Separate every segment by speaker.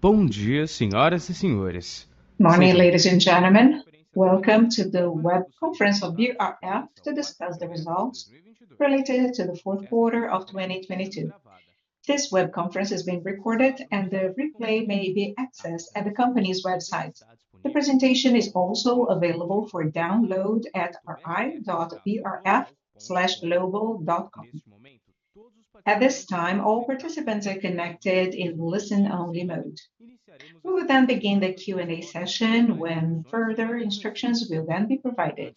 Speaker 1: Good morning, ladies and gentlemen. Welcome to the web conference of BRF to discuss the results related to the fourth quarter of 2022. This web conference is being recorded and the replay may be accessed at the company's website. The presentation is also available for download at ri.brf-global.com. At this time, all participants are connected in listen-only mode. We will then begin the Q&A session when further instructions will then be provided.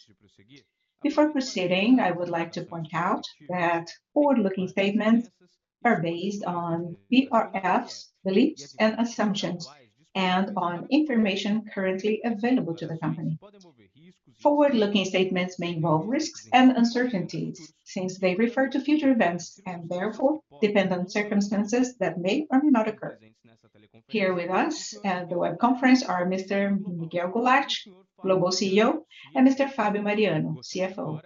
Speaker 1: Before proceeding, I would like to point out that forward-looking statements are based on BRF's beliefs and assumptions and on information currently available to the company. Forward-looking statements may involve risks and uncertainties since they refer to future events and therefore depend on circumstances that may or may not occur. Here with us at the web conference are Mr. Miguel Gularte, Global CEO, and Mr. Fábio Mariano, CFO.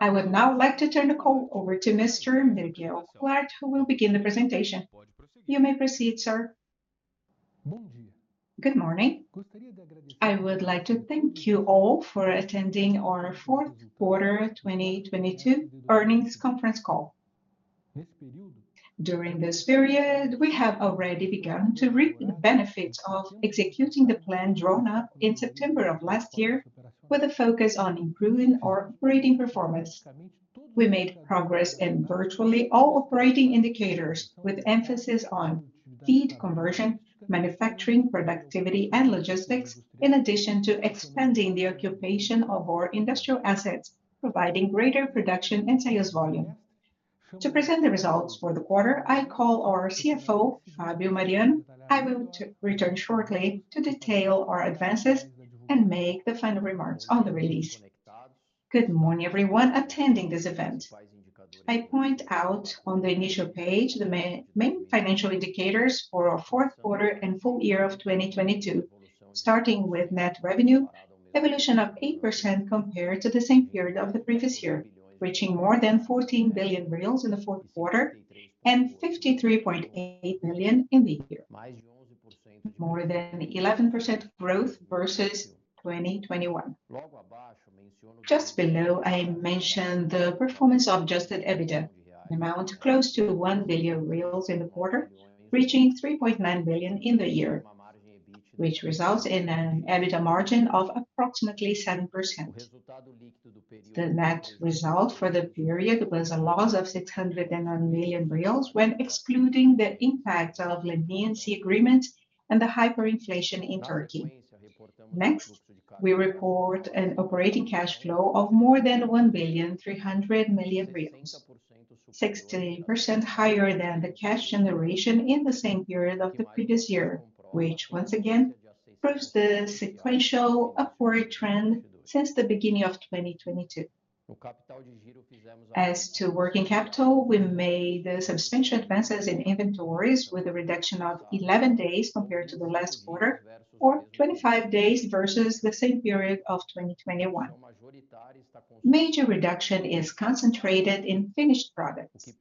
Speaker 1: I would now like to turn the call over to Mr. Miguel Gularte, who will begin the presentation. You may proceed, sir.
Speaker 2: Good morning. I would like to thank you all for attending our fourth quarter 2022 earnings conference call. During this period, we have already begun to reap the benefits of executing the plan drawn up in September of last year with a focus on improving our operating performance. We made progress in virtually all operating indicators with emphasis on feed conversion, manufacturing, productivity, and logistics, in addition to expanding the occupation of our industrial assets, providing greater production and sales volume. To present the results for the quarter, I call our CFO, Fábio Mariano. I will return shortly to detail our advances and make the final remarks on the release.
Speaker 3: Good morning, everyone attending this event. I point out on the initial page the main financial indicators for our fourth quarter and full year of 2022. Starting with net revenue, evolution of 8% compared to the same period of the previous year, reaching more than 14 billion reais in the fourth quarter and 53.8 million in the year. More than 11% growth versus 2021. Just below, I mentioned the performance of adjusted EBITDA, an amount close to 1 billion reais in the quarter, reaching 3.9 billion in the year, which results in an EBITDA margin of approximately 7%. The net result for the period was a loss of 601 million when excluding the impact of Leniency Agreement and the hyperinflation in Turkey. We report an operating cash flow of more than 1.3 billion, 60% higher than the cash generation in the same period of the previous year, which once again proves the sequential upward trend since the beginning of 2022. As to working capital, we made substantial advances in inventories with a reduction of 11 days compared to the last quarter or 25 days versus the same period of 2021. Major reduction is concentrated in finished products,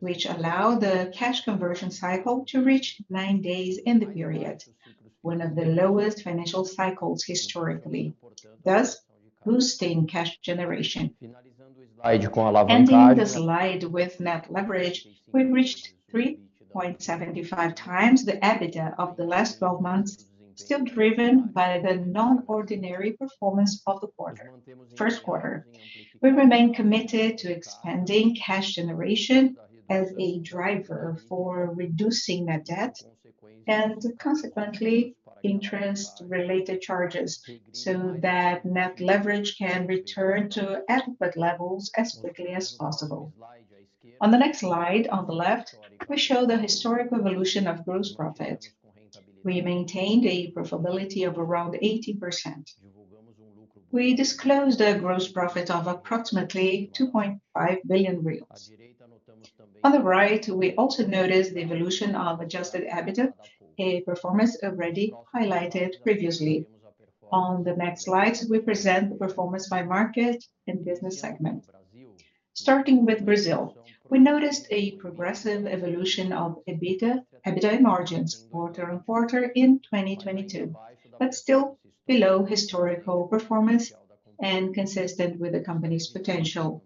Speaker 3: which allow the cash conversion cycle to reach 9 days in the period, one of the lowest financial cycles historically, thus boosting cash generation. Ending the slide with net leverage, we reached 3.75x the EBITDA of the last 12 months, still driven by the non-ordinary performance of the first quarter. We remain committed to expanding cash generation as a driver for reducing net debt and consequently interest related charges, so that net leverage can return to adequate levels as quickly as possible. On the next slide on the left, we show the historic evolution of gross profit. We maintained a profitability of around 80%. We disclosed a gross profit of approximately 2.5 billion reais. On the right, we also noticed the evolution of adjusted EBITDA, a performance already highlighted previously. On the next slides, we present performance by market and business segment. Starting with Brazil, we noticed a progressive evolution of EBITDA margins quarter-over-quarter in 2022, but still below historical performance and consistent with the company's potential.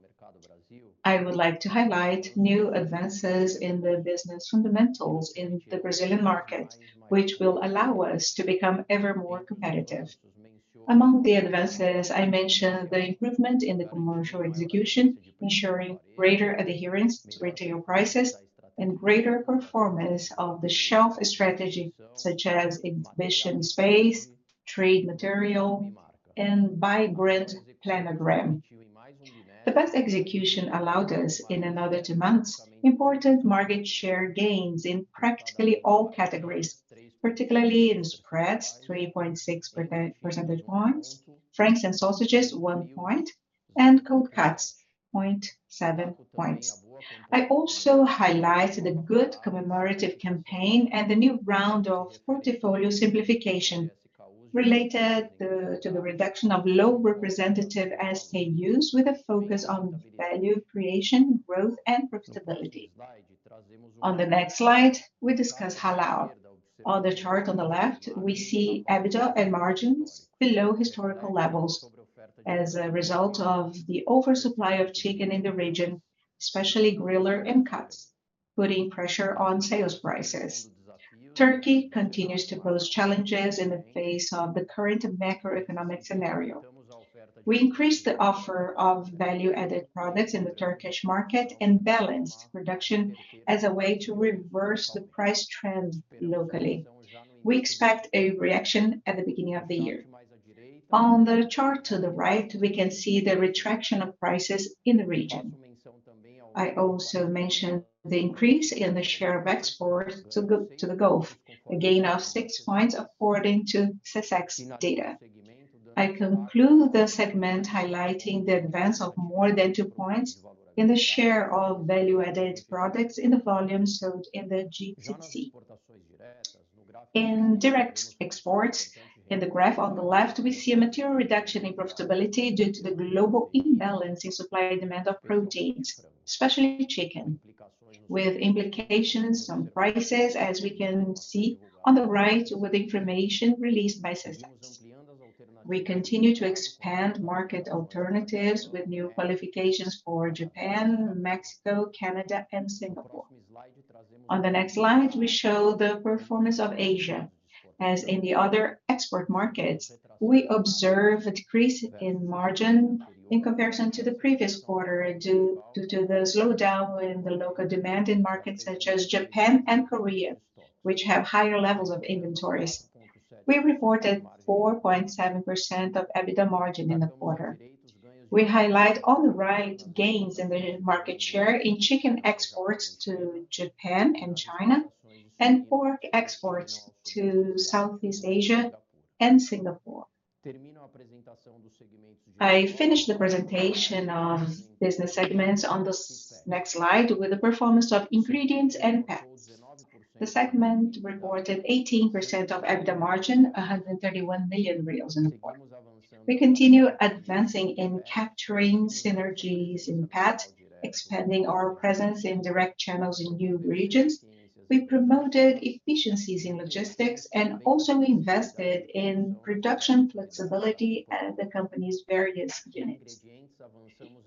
Speaker 3: I would like to highlight new advances in the business fundamentals in the Brazilian market, which will allow us to become ever more competitive. Among the advances, I mention the improvement in the commercial execution, ensuring greater adherence to retail prices and greater performance of the shelf strategy such as exhibition space, trade material, and by brand planogram. The best execution allowed us in another two months important market share gains in practically all categories, particularly in spreads, 3.6 percentage points, franks and sausages, 1 point, and cold cuts, 0.7 points. I also highlight the good commemorative campaign and the new round of portfolio simplification related to the reduction of low representative SKUs with a focus on value creation, growth, and profitability. On the next slide, we discuss halal. On the chart on the left, we see EBITDA and margins below historical levels as a result of the oversupply of chicken in the region, especially griller and cuts, putting pressure on sales prices. Turkey continues to pose challenges in the face of the current macroeconomic scenario. We increased the offer of value-added products in the Turkish market and balanced production as a way to reverse the price trend locally. We expect a reaction at the beginning of the year. On the chart to the right, we can see the retraction of prices in the region. I also mentioned the increase in the share of exports to the Gulf, a gain of 6 points according to Secex data. I conclude the segment highlighting the advance of more than 2 points in the share of value-added products in the volume sold in the G60. In direct exports in the graph on the left, we see a material reduction in profitability due to the global imbalance in supply and demand of proteins, especially chicken, with implications on prices as we can see on the right with information released by Secex. We continue to expand market alternatives with new qualifications for Japan, Mexico, Canada and Singapore. On the next slide, we show the performance of Asia. As in the other export markets, we observe a decrease in margin in comparison to the previous quarter due to the slowdown in the local demand in markets such as Japan and Korea, which have higher levels of inventories. We reported 4.7% of EBITDA margin in the quarter. We highlight on the right gains in the market share in chicken exports to Japan and China, and pork exports to Southeast Asia and Singapore. I finish the presentation of business segments on this next slide with the performance of ingredients and PET. The segment reported 18% of EBITDA margin, 131 million reais in the quarter. We continue advancing in capturing synergies in PET, expanding our presence in direct channels in new regions. We promoted efficiencies in logistics and also invested in production flexibility at the company's various units.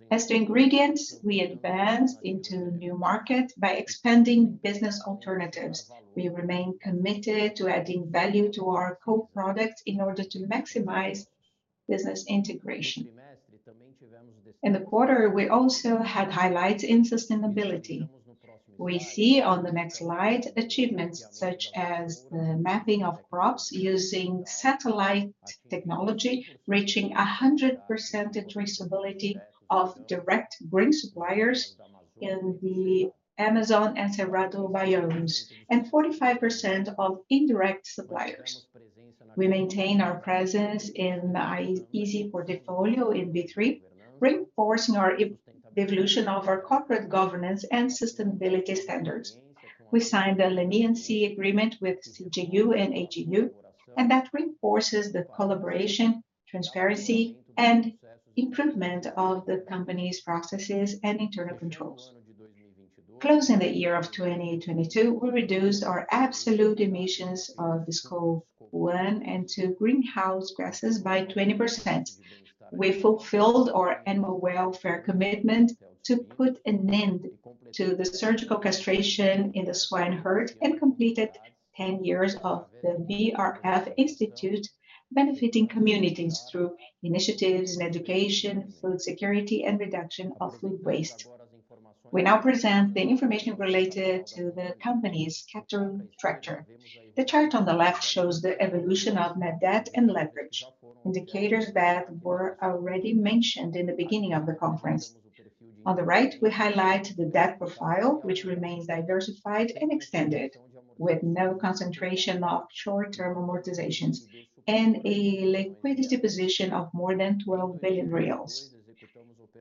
Speaker 3: As to ingredients, we advanced into new markets by expanding business alternatives. We remain committed to adding value to our co-products in order to maximize business integration. In the quarter, we also had highlights in sustainability. We see on the next slide achievements such as the mapping of crops using satellite technology, reaching 100% traceability of direct grain suppliers in the Amazon and Cerrado biomes, and 45% of indirect suppliers. We maintain our presence in the ISE portfolio in B3, reinforcing our evolution of our corporate governance and sustainability standards. We signed a Leniency Agreement with CGU and AGU, that reinforces the collaboration, transparency, and improvement of the company's processes and internal controls. Closing the year of 2022, we reduced our absolute emissions of the Scope 1 and 2 greenhouse gases by 20%. We fulfilled our animal welfare commitment to put an end to the surgical castration in the swine herd and completed 10 years of the BRF Institute benefiting communities through initiatives in education, food security, and reduction of food waste. We now present the information related to the company's capital structure. The chart on the left shows the evolution of net debt and leverage, indicators that were already mentioned in the beginning of the conference. On the right, we highlight the debt profile, which remains diversified and extended, with no concentration of short-term amortizations and a liquidity position of more than 12 billion reais.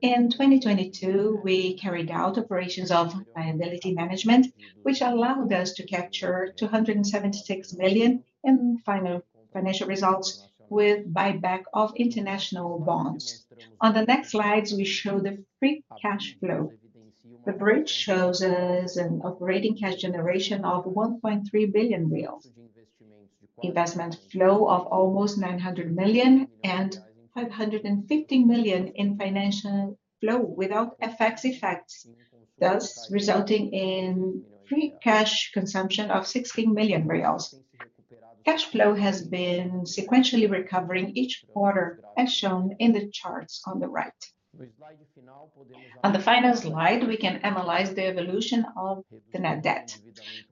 Speaker 3: In 2022, we carried out operations of liability management, which allowed us to capture 276 million in final financial results with buyback of international bonds. On the next slides, we show the free cash flow. The bridge shows us an operating cash generation of 1.3 billion real, investment flow of almost 900 million, and 550 million in financial flow without FX effects, thus resulting in free cash consumption of 16 billion reais. Cash flow has been sequentially recovering each quarter as shown in the charts on the right. On the final slide, we can analyze the evolution of the net debt.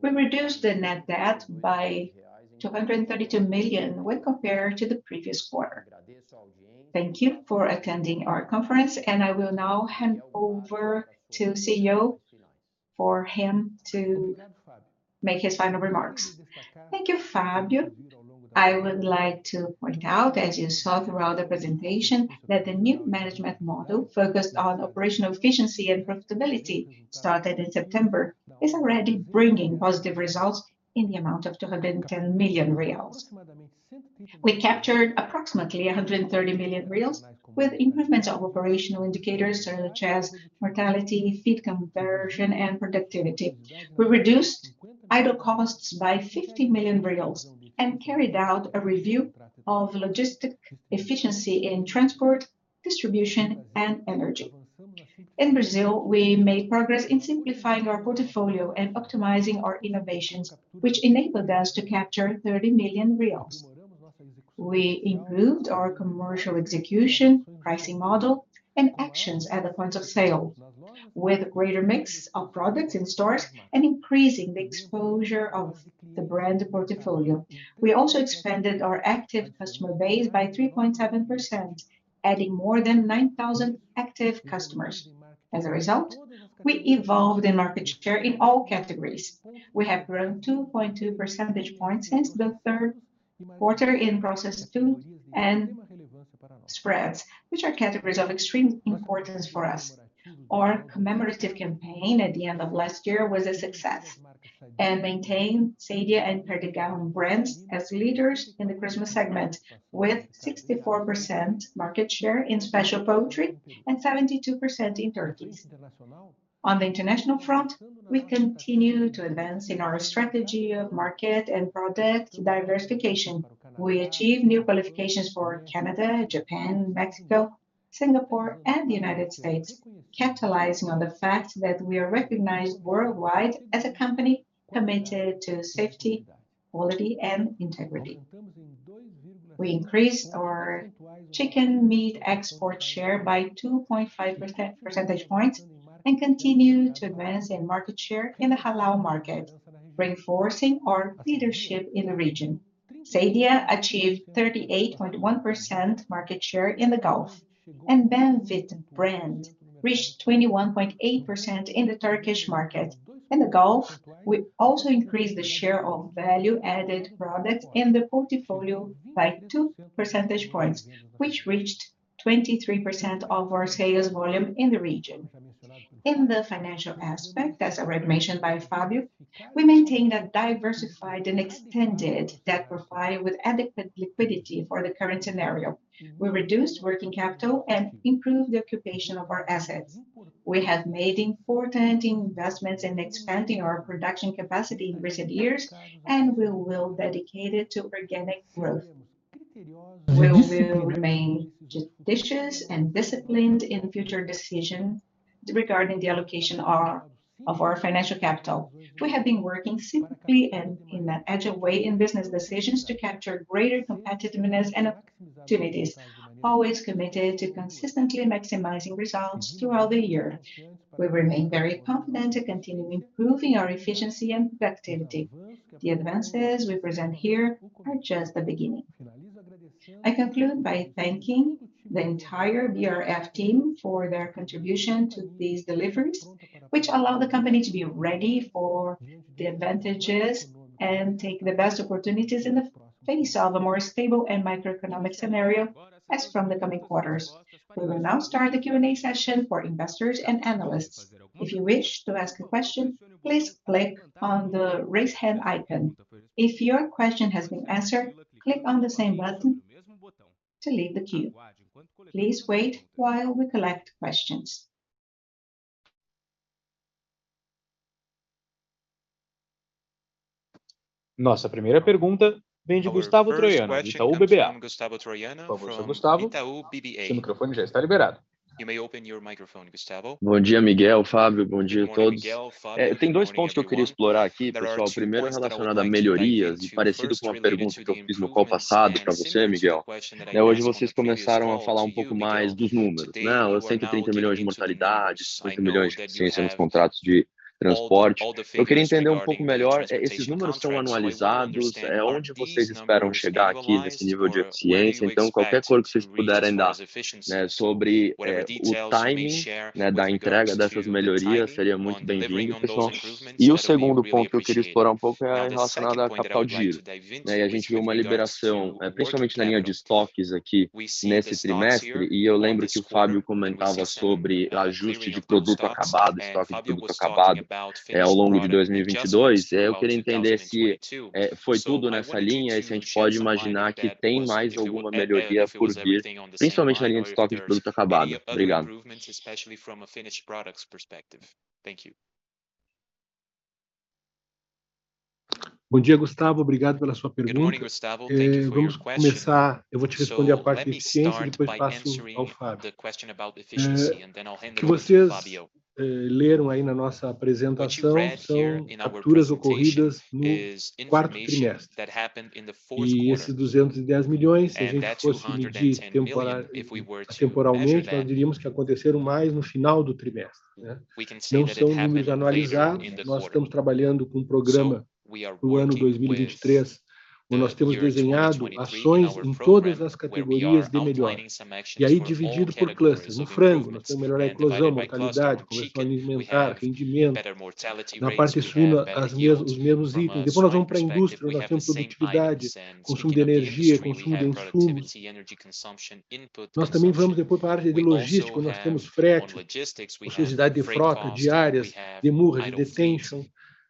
Speaker 3: We reduced the net debt by 232 million when compared to the previous quarter. Thank you for attending our conference, and I will now hand over to CEO for him to make his final remarks.
Speaker 2: Thank you, Fábio. I would like to point out, as you saw throughout the presentation, that the new management model focused on operational efficiency and profitability started in September is already bringing positive results in the amount of 210 million reais. We captured approximately R$130 million with improvements of operational indicators such as mortality, feed conversion, and productivity. We reduced idle costs by R$50 million and carried out a review of logistic efficiency in transport, distribution, and energy. In Brazil, we made progress in simplifying our portfolio and optimizing our innovations, which enabled us to capture R$30 million. We improved our commercial execution, pricing model, and actions at the point of sale with greater mix of products in stores and increasing the exposure of the brand portfolio. We also expanded our active customer base by 3.7%, adding more than 9,000 active customers. As a result, we evolved in market share in all categories. We have grown 2.2 percentage points since the third quarter in processed tuna and spreads, which are categories of extreme importance for us. Our commemorative campaign at the end of last year was a success and maintained Sadia and Perdigão brands as leaders in the Christmas segment, with 64% market share in special poultry and 72% in turkeys. On the international front, we continue to advance in our strategy of market and product diversification. We achieved new qualifications for Canada, Japan, Mexico, Singapore, and the United States, capitalizing on the fact that we are recognized worldwide as a company committed to safety, quality, and integrity. We increased our chicken meat export share by 2.5 percentage points and continue to advance in market share in the halal market, reinforcing our leadership in the region. Sadia achieved 38.1% market share in the Gulf, and Banvit brand reached 21.8% in the Turkish market. In the Gulf, we also increased the share of value-added products in the portfolio by 2 percentage points, which reached 23% of our sales volume in the region. In the financial aspect, as already mentioned by Fábio, we maintained a diversified and extended debt profile with adequate liquidity for the current scenario. We reduced working capital and improved the occupation of our assets. We have made important investments in expanding our production capacity in recent years, and we will dedicate it to organic growth. We will remain judicious and disciplined in future decisions regarding the allocation of our financial capital. We have been working simply and in an agile way in business decisions to capture greater competitiveness and opportunities, always committed to consistently maximizing results throughout the year. We remain very confident to continue improving our efficiency and productivity. The advances we present here are just the beginning. I conclude by thanking the entire BRF team for their contribution to these deliveries, which allow the company to be ready for the advantages and take the best opportunities in the face of a more stable and macroeconomic scenario as from the coming quarters. We will now start the Q&A session for investors and analysts.
Speaker 1: If you wish to ask a question, please click on the raise hand icon. If your question has been answered, click on the same button to leave the queue. Please wait while we collect questions. Our first question comes from Gustavo Troyano from Itaú BBA. You may open your microphone, Gustavo.
Speaker 4: Good morning, Miguel, Fábio. Good morning, all. There are two points I would like to explore here, everyone. The first is related to improvements and is similar to a question I asked you last call, Miguel. Today you started to talk a bit more about the numbers, right? The BRL 130 million in mortality, BRL 80 million in efficiency in transport contracts. I would like to understand a little better, are these numbers annualized? Where do you expect to reach with this level of efficiency? Any color you can give, right, about the timing, right, of delivering these improvements would be very welcome, everyone. The second point I would like to explore a little is related to working capital. Right? We saw a release, especially in the inventory line here this quarter, and I remember that Fábio was talking about adjusting finished product inventory throughout 2022. I would like to understand if it was all along those lines and if we can imagine that there are any other improvements, especially from a finished products perspective. Thank you.
Speaker 2: Bom dia, Gustavo, obrigado pela sua pergunta. Vamos começar, eu vou te responder a parte de eficiência, depois passo ao Fábio. O que vocês leram aí na nossa apresentação são capturas ocorridas no quarto trimestre. Esses 210 million, se a gente fosse medir atemporalmente, nós diríamos que aconteceram mais no final do trimestre, né? Não são números anualizados. Nós estamos trabalhando com um programa pro ano 2023, onde nós temos desenhado ações em todas as categorias de melhoria. Aí dividido por cluster. No frango, nós temos melhora na conversão, mortalidade, conversão alimentar, rendimento. Na parte suína, os mesmos itens. Nós vamos pra indústria, nós temos produtividade, consumo de energia, consumo de insumos. Nós também vamos depois pra área de logística, onde nós temos frete, necessidade de frota diárias, demorra de detention,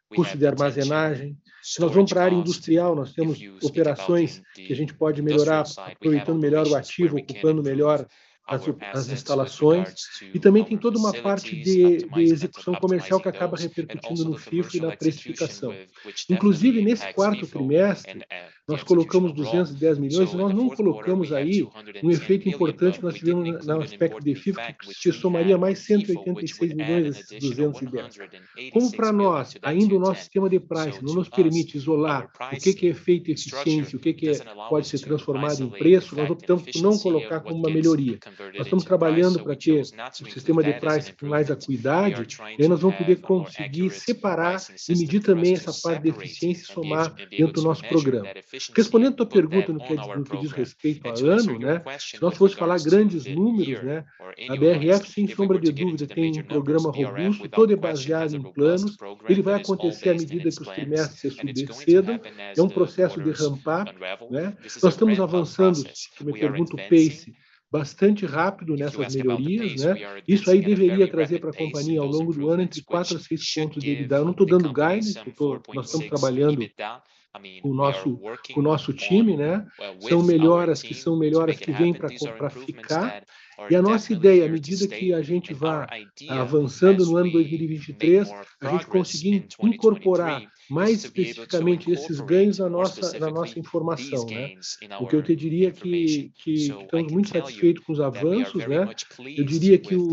Speaker 2: custo de armazenagem. Nós vamos pra área industrial, nós temos operações que a gente pode melhorar aproveitando melhor o ativo, ocupando melhor as instalações. Também tem toda uma parte de execução comercial que acaba repercutindo no FIFO e na precificação. Inclusive, nesse quarto trimestre, nós colocamos 210 million, nós não colocamos aí um efeito importante que nós tivemos no aspecto de FIFO, que somaria mais 186 million desses 210. Pra nós, ainda o nosso sistema de pricing não nos permite isolar o que que é efeito eficiência, o que que pode ser transformado em preço, nós optamos por não colocar como uma melhoria. Nós estamos trabalhando pra ter um sistema de pricing com mais acuidade, aí nós vamos poder conseguir separar e medir também essa parte da eficiência e somar dentro do nosso programa. Respondendo tua pergunta no que diz respeito a ano, né, se nós fosse falar grandes números, né, a BRF, sem sombra de dúvida, tem um programa robusto, todo baseado em planos. Ele vai acontecer à medida que os trimestres se desdobrassem. É um processo de ramp up, né? Nós estamos avançando, se me pergunta o pace, bastante rápido nessas melhorias, né? Isso aí deveria trazer pra companhia, ao longo do ano, entre 4 a 6 pontos de EBITDA. Não tô dando guidance, nós estamos trabalhando com nosso time, né? São melhoras que vêm pra ficar. E a nossa ideia, à medida que a gente vá avançando no ano de 2023, a gente conseguir incorporar mais especificamente esses ganhos à nossa, na nossa informação, né? O que eu te diria é que estamos muito satisfeitos com os avanços, né? Eu diria que o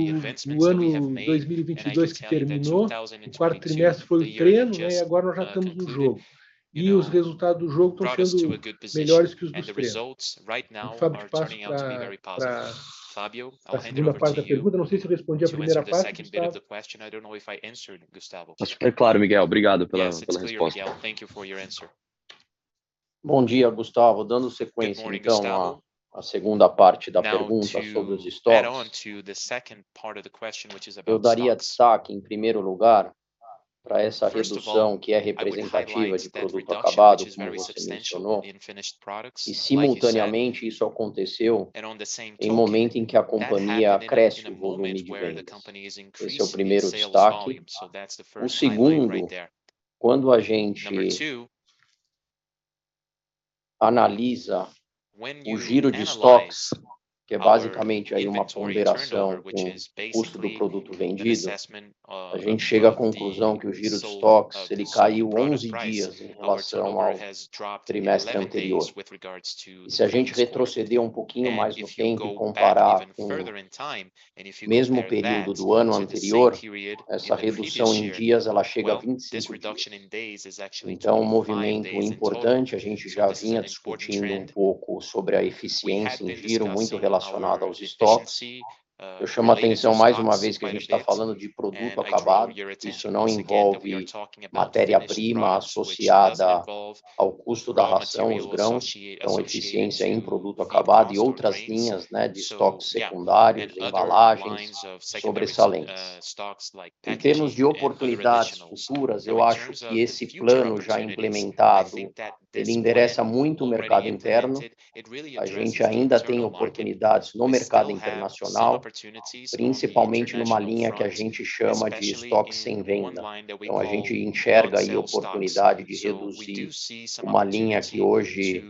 Speaker 2: ano de 2022 que terminou, o quarto trimestre foi o treino, né, e agora nós já tamos no jogo. Os resultados do jogo tão sendo melhores que os do treino. O Fábio passa pra segunda parte da pergunta. Não sei se eu respondi a primeira parte, Gustavo.
Speaker 4: Tá superclaro, Miguel. Obrigado pela resposta.
Speaker 3: Bom dia, Gustavo. Dando sequência à segunda parte da pergunta sobre os stocks. Eu daria destaque, em primeiro lugar, pra essa redução que é representativa de produto acabado, como você mencionou, e simultaneamente isso aconteceu em momento em que a companhia cresce o volume de vendas. Esse é o primeiro destaque. O segundo, quando a gente analisa o giro de stocks, que é basicamente aí uma ponderação com o custo do produto vendido, a gente chega à conclusão que o giro de stocks, ele caiu 11 days em relação ao trimestre anterior. E se a gente retroceder um pouquinho mais no tempo e comparar com o mesmo período do ano anterior, essa redução em days, ela chega a 25 days. Movimento importante, a gente já vinha discutindo um pouco sobre a eficiência em giro muito relacionada aos stocks. Eu chamo a atenção mais uma vez que a gente tá falando de produto acabado. Isso não envolve matéria-prima associada ao custo da ração, os grãos. Eficiência em produto acabado e outras linhas, né, de estoque secundário, de embalagens, sobressalentes. Em termos de oportunidades futuras, eu acho que esse plano já implementado, ele endereça muito o mercado interno. A gente ainda tem oportunidades no mercado internacional, principalmente numa linha que a gente chama de estoque sem venda. A gente enxerga aí oportunidade de reduzir uma linha que hoje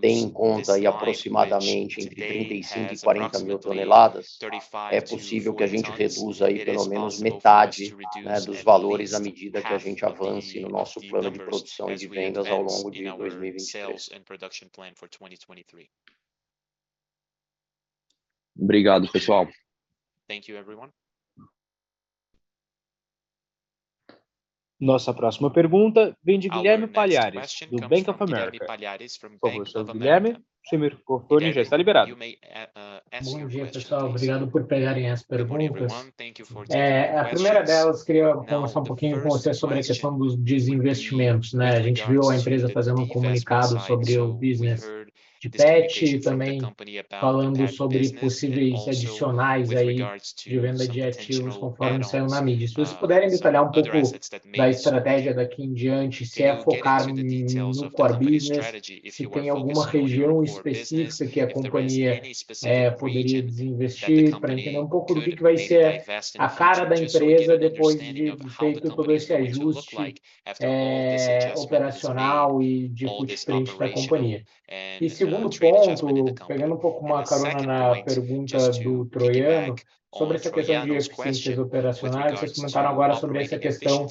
Speaker 3: tem em conta aí aproximadamente entre 35-40 thousand tons. É possível que a gente reduza aí pelo menos metade, né, dos valores à medida que a gente avance no nosso plano de produção e de vendas ao longo de 2023.
Speaker 4: Obrigado, pessoal.
Speaker 2: Nossa próxima pergunta vem de Guilherme Palhares, do Bank of America. Boa noite, Guilherme. Se me confir, já está liberado.
Speaker 5: Bom dia, pessoal. Obrigado por pegarem as perguntas. A primeira delas, queria conversar um pouquinho com você sobre a questão dos desinvestimentos. A gente viu a empresa fazendo um comunicado sobre o business de PET e também falando sobre possíveis adicionais aí de venda de ativos conforme saiu na mídia. Vocês puderem detalhar um pouco da estratégia daqui em diante, se é focado em, no core business, se tem alguma região específica que a companhia poderia desinvestir, pra entender um pouco de que vai ser a cara da empresa depois de feito todo esse ajuste operacional e de footprint da companhia. Segundo ponto, pegando um pouco uma carona na pergunta do Troiano, sobre essa questão de eficiências operacionais, vocês comentaram agora sobre essa questão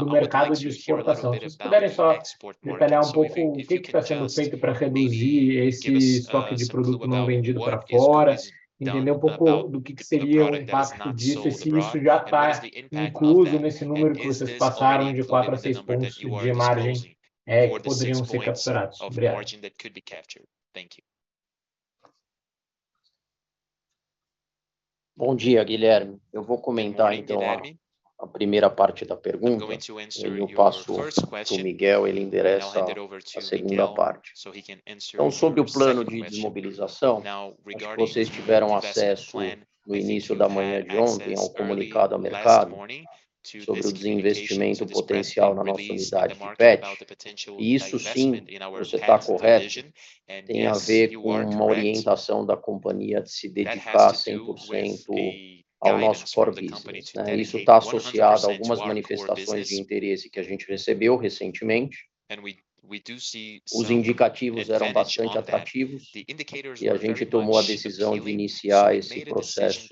Speaker 5: do mercado de exportação. Se puderem só detalhar um pouco o que que tá sendo feito pra reduzir esse estoque de produto não vendido pra fora, entender um pouco do que que seria o impacto disso e se isso já tá incluso nesse número que vocês passaram de 4-6 pontos de margem que poderiam ser capturados. Obrigado.
Speaker 3: Bom dia, Guilherme. Eu vou comentar então a primeira parte da pergunta, e eu passo pro Miguel, ele endereça a segunda parte. Sobre o plano de desmobilização, acho que vocês tiveram acesso no início da manhã de ontem a um comunicado ao mercado, sobre o desinvestimento potencial na nossa unidade de PET. Isso sim, você tá correto, tem a ver com uma orientação da companhia de se dedicar 100% ao nosso core business, né? Isso tá associado a algumas manifestações de interesse que a gente recebeu recentemente. Os indicativos eram bastante atrativos e a gente tomou a decisão de iniciar esse processo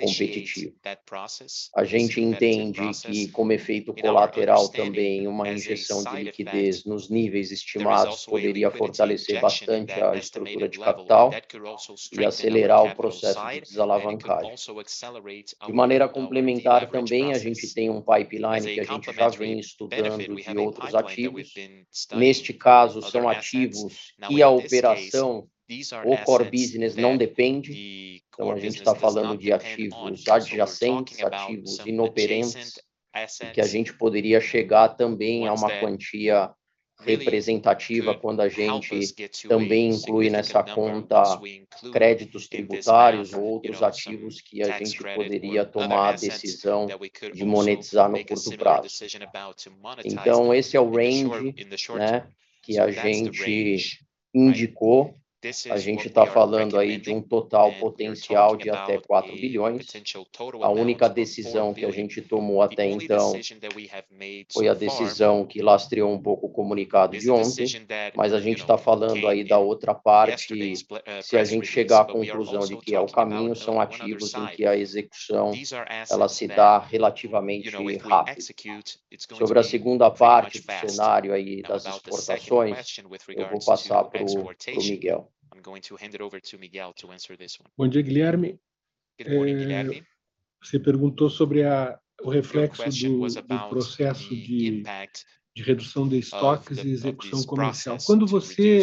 Speaker 3: competitivo. A gente entende que, como efeito colateral também, uma injeção de liquidez nos níveis estimados poderia fortalecer bastante a estrutura de capital e acelerar o processo de desalavancagem. De maneira complementar também, a gente tem um pipeline que a gente já vem estudando de outros ativos. Neste caso, são ativos que a operação, o core business não depende. A gente está falando de ativos adjacentes, ativos inoperantes, em que a gente poderia chegar também a uma quantia representativa quando a gente também inclui nessa conta créditos tributários ou outros ativos que a gente poderia tomar a decisão de monetizar no curto prazo. Esse é o range que a gente indicou. A gente tá falando de um total potencial de até 4 billion. A única decisão que a gente tomou até então, foi a decisão que lastreou um pouco o comunicado de ontem, mas a gente tá falando da outra parte, se a gente chegar à conclusão de que é o caminho, são ativos em que a execução, ela se dá relativamente rápido. Sobre a segunda parte do cenário aí das exportações, eu vou passar pro Miguel.
Speaker 2: Bom dia, Guilherme. Você perguntou sobre o reflexo do processo de redução de estoques e execução comercial. Quando você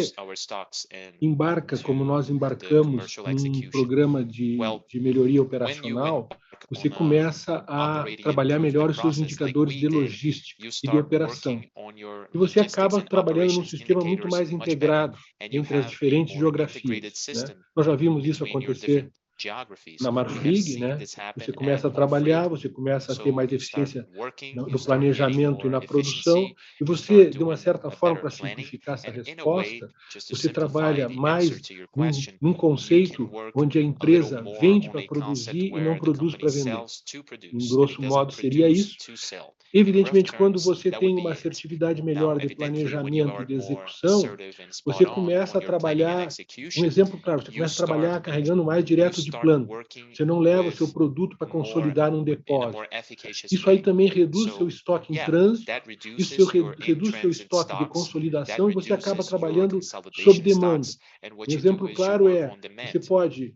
Speaker 2: embarca, como nós embarcamos, num programa de melhoria operacional, você começa a trabalhar melhor os seus indicadores de logística e de operação. Você acaba trabalhando num sistema muito mais integrado entre as diferentes geografias, né? Nós já vimos isso acontecer na Marfrig, né? Você começa a ter mais eficiência no planejamento e na produção, você, de uma certa forma, pra simplificar essa resposta, você trabalha mais num conceito onde a empresa vende pra produzir e não produz pra vender. Um grosso modo seria isso. Evidentemente, quando você tem uma assertividade melhor de planejamento e de execução, um exemplo claro: você começa a trabalhar carregando mais direto de plano. Você não leva o seu produto pra consolidar num depósito. Isso aí também reduz seu estoque em trânsito, isso reduz seu estoque de consolidação, você acaba trabalhando sob demanda. Um exemplo claro é: você pode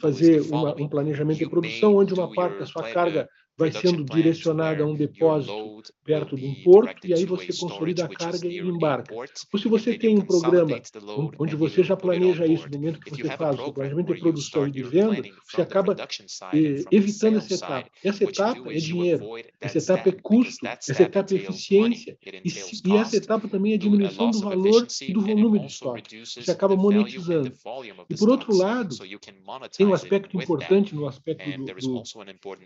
Speaker 2: fazer um planejamento de produção onde uma parte da sua carga vai sendo direcionada a um depósito perto do porto e aí você consolida a carga e embarca. Ou se você tem um programa onde você já planeja isso no momento que você faz o planejamento de produção e de vendas, você acaba evitando essa etapa. E essa etapa é dinheiro, essa etapa é custo, essa etapa é eficiência, e essa etapa também é diminuição do valor e do volume do estoque, você acaba monetizando. Por outro lado, tem um aspecto importante no aspecto do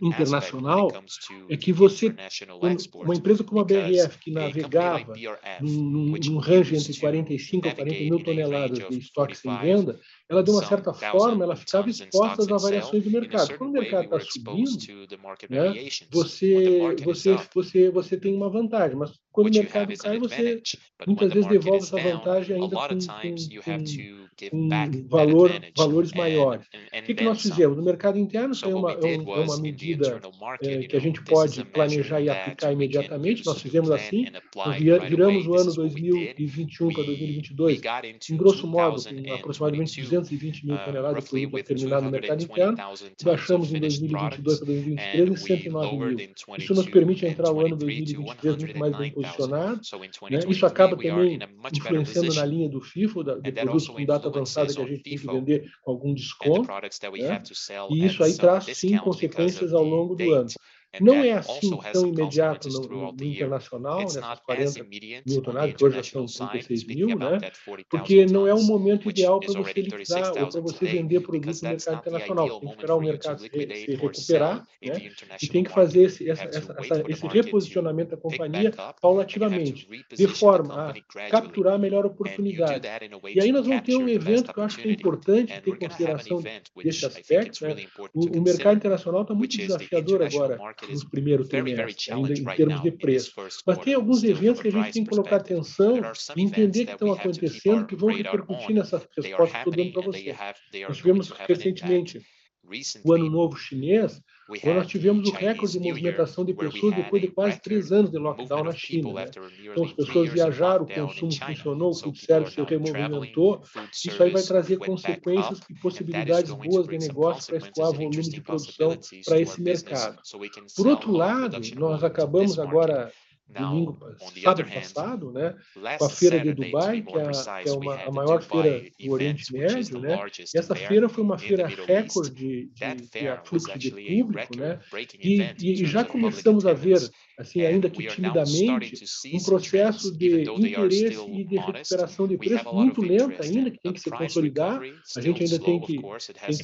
Speaker 2: internacional, é que você, como uma empresa como a BRF, que navegava num range entre 45,000-40,000 tons de estoques em venda, ela de uma certa forma ficava exposta às variações do mercado. Quando o mercado tá subindo, né, você tem uma vantagem, mas quando o mercado cai, você muitas vezes devolve essa vantagem ainda com valores maiores. O que que nós fizemos? No mercado interno, é uma medida que a gente pode planejar e aplicar imediatamente. Nós fizemos assim, viramos o ano 2021 to 2022, em grosso modo, com aproximadamente 220,000 tons de produtos terminados no mercado interno, e baixamos em 2022 to 2023, 109,000 tons. Isso nos permite entrar o ano de 2023 muito mais bem posicionados, né. Isso acaba também influenciando na linha do FIFO, de produtos com data avançada que a gente tem que vender com algum desconto, né. Isso aí traz, sim, consequências ao longo do ano. Não é assim tão imediato no internacional, nessas 40,000 tons, que hoje já são 36,000, né. Não é o momento ideal pra você liquidar ou pra você vender produtos no mercado internacional. Tem que esperar o mercado se recuperar, né. Tem que fazer esse reposicionamento da companhia paulativamente, de forma a capturar a melhor oportunidade. Aí nós vamos ter um evento que eu acho que é importante ter consideração desses aspectos, né. O mercado internacional tá muito desafiador agora nos primeiros trimestres, em termos de preço. Tem alguns eventos que a gente tem que colocar atenção e entender o que estão acontecendo, que vão repercutir nessa resposta que eu tô dando pra você. Nós tivemos recentemente o Ano Novo Chinês, onde nós tivemos o record de movimentação de pessoas depois de quase três anos de lockdown na China. As pessoas viajaram, o consumo funcionou, o terceiro setor movimentou. Isso aí vai trazer consequências e possibilidades boas de negócio pra escoar volumes de produção pra esse mercado. Por outro lado, nós acabamos agora sábado passado, né, com a feira de Dubai, que é a maior feira no Oriente Médio, né? Essa feira foi uma feira record de afluência de público, né? Já começamos a ver, assim, ainda que timidamente, um processo de interesse e de recuperação de preço muito lento ainda, que tem que se consolidar. A gente ainda tem que, tem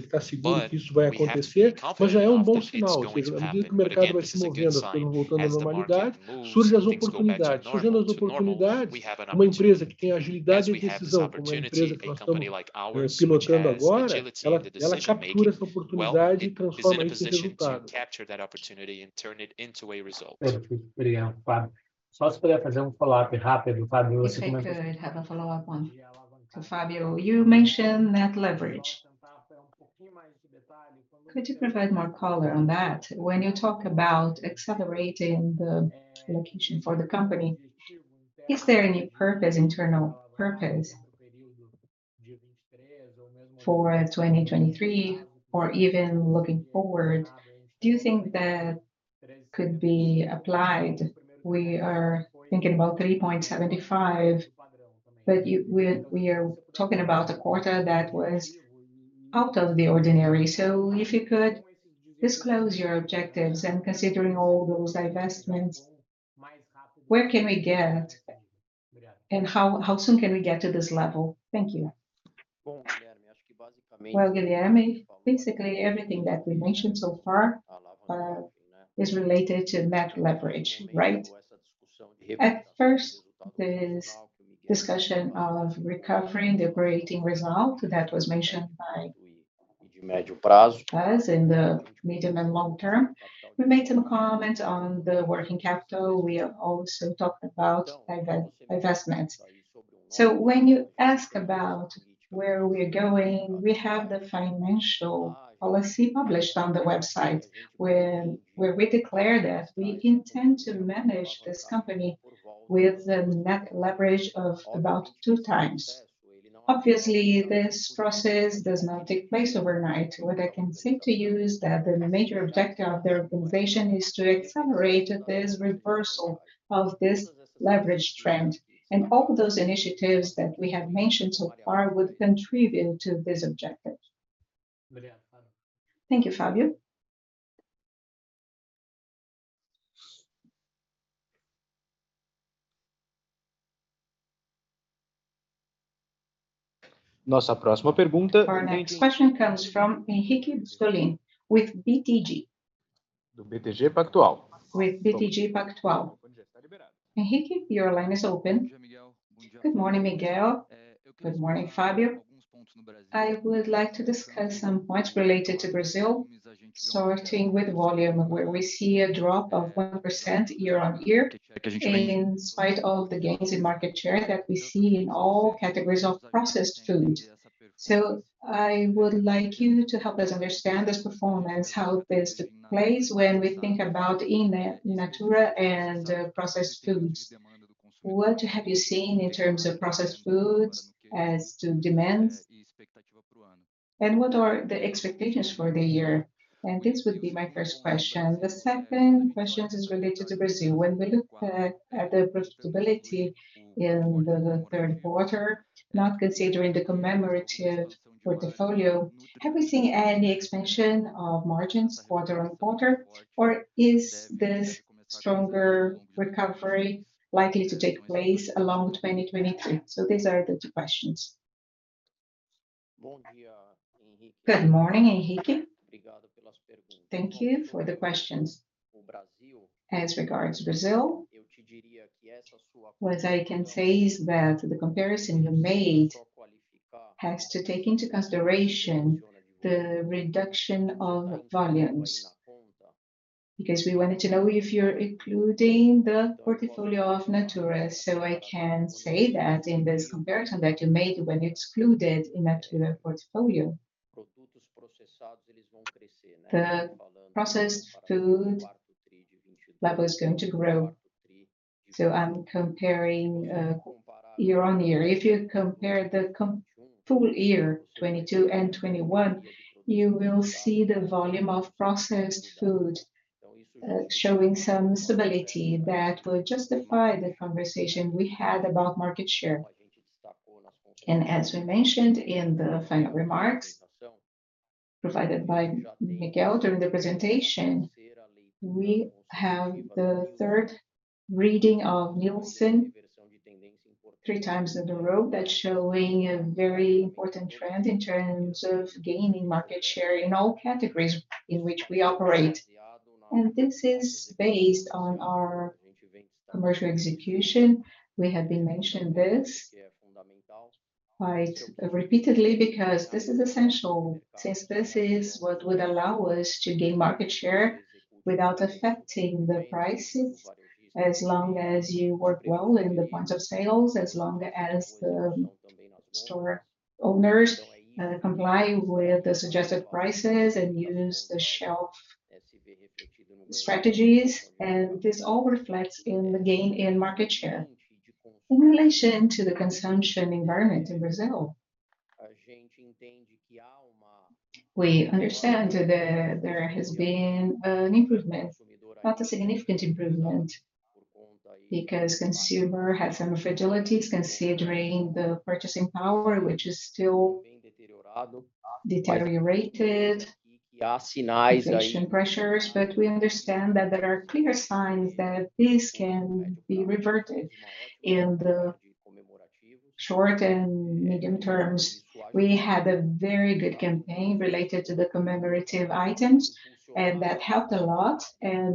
Speaker 2: que tá seguro que isso vai acontecer, mas já é um bom sinal. À medida que o mercado vai se movendo, as coisas vão voltando à normalidade, surgem as oportunidades. Surgindo as oportunidades, uma empresa que tem agilidade e decisão, como a empresa que nós tamo pilotando agora, ela captura essa oportunidade e transforma isso em resultado.
Speaker 5: Perfeito. Obrigado, Fábio. Só se puder fazer um follow up rápido, Fábio.
Speaker 6: Could you provide more color on that? When you talk about accelerating the allocation for the company, is there any purpose, internal purpose for 2023 or even looking forward? Do you think that could be applied? We are thinking about 3.75, we are talking about a quarter that was out of the ordinary. If you could disclose your objectives and considering all those divestments, where can we get and how soon can we get to this level? Thank you. Well, Guilherme, basically everything that we mentioned so far is related to net leverage, right? At first, this discussion of recovering the operating result that was mentioned by us in the medium and long term. We made some comments on the working capital. We also talked about investments.
Speaker 1: When you ask about where we're going, we have the financial policy published on the website where we declare that we intend to manage this company with a net leverage of about 2 times. Obviously, this process does not take place overnight. What I can say to you is that the major objective of the organization is to accelerate this reversal of this leverage trend. All those initiatives that we have mentioned so far would contribute to this objective. Thank you, Fábio. Our next question comes from Henrique Brustolin with BTG. With BTG Pactual. Henrique, your line is open.
Speaker 7: Good morning, Miguel. Good morning, Fábio. I would like to discuss some points related to Brazil, starting with volume, where we see a drop of 1% year-on-year in spite of the gains in market share that we see in all categories of processed foods. I would like you to help us understand this performance, how this took place when we think about in natura and processed foods. What have you seen in terms of processed foods as to demands? What are the expectations for the year? This would be my first question. The second question is related to Brazil. When we look at the profitability in the third quarter, not considering the commemorative portfolio, have we seen any expansion of margins quarter-on-quarter or is this stronger recovery likely to take place along 2023? These are the two questions.
Speaker 3: Good morning, Henrique. Thank you for the questions. As regards Brazil, what I can say is that the comparison you made has to take into consideration the reduction of volumes, because we wanted to know if you're including the portfolio of Natura. I can say that in this comparison that you made when excluded in that portfolio, the processed food level is going to grow. I'm comparing year-over-year. If you compare the full year, 2022 and 2021, you will see the volume of processed food showing some stability that will justify the conversation we had about market share. As we mentioned in the final remarks provided by Miguel during the presentation, we have the third reading of Nielsen three times in a row that's showing a very important trend in terms of gaining market share in all categories in which we operate. This is based on our commercial execution. We have been mentioning this quite repeatedly because this is essential since this is what would allow us to gain market share without affecting the prices, as long as you work well in the point of sales, as long as the store owners are complying with the suggested prices and use the shelf strategies. This all reflects in the gain in market share. In relation to the consumption environment in Brazil, we understand that there has been an improvement, not a significant improvement, because consumer has some fragilities considering the purchasing power, which is still deteriorated, inflation pressures. We understand that there are clear signs that this can be reverted in the short and medium terms. We had a very good campaign related to the commemorative items, and that helped a lot.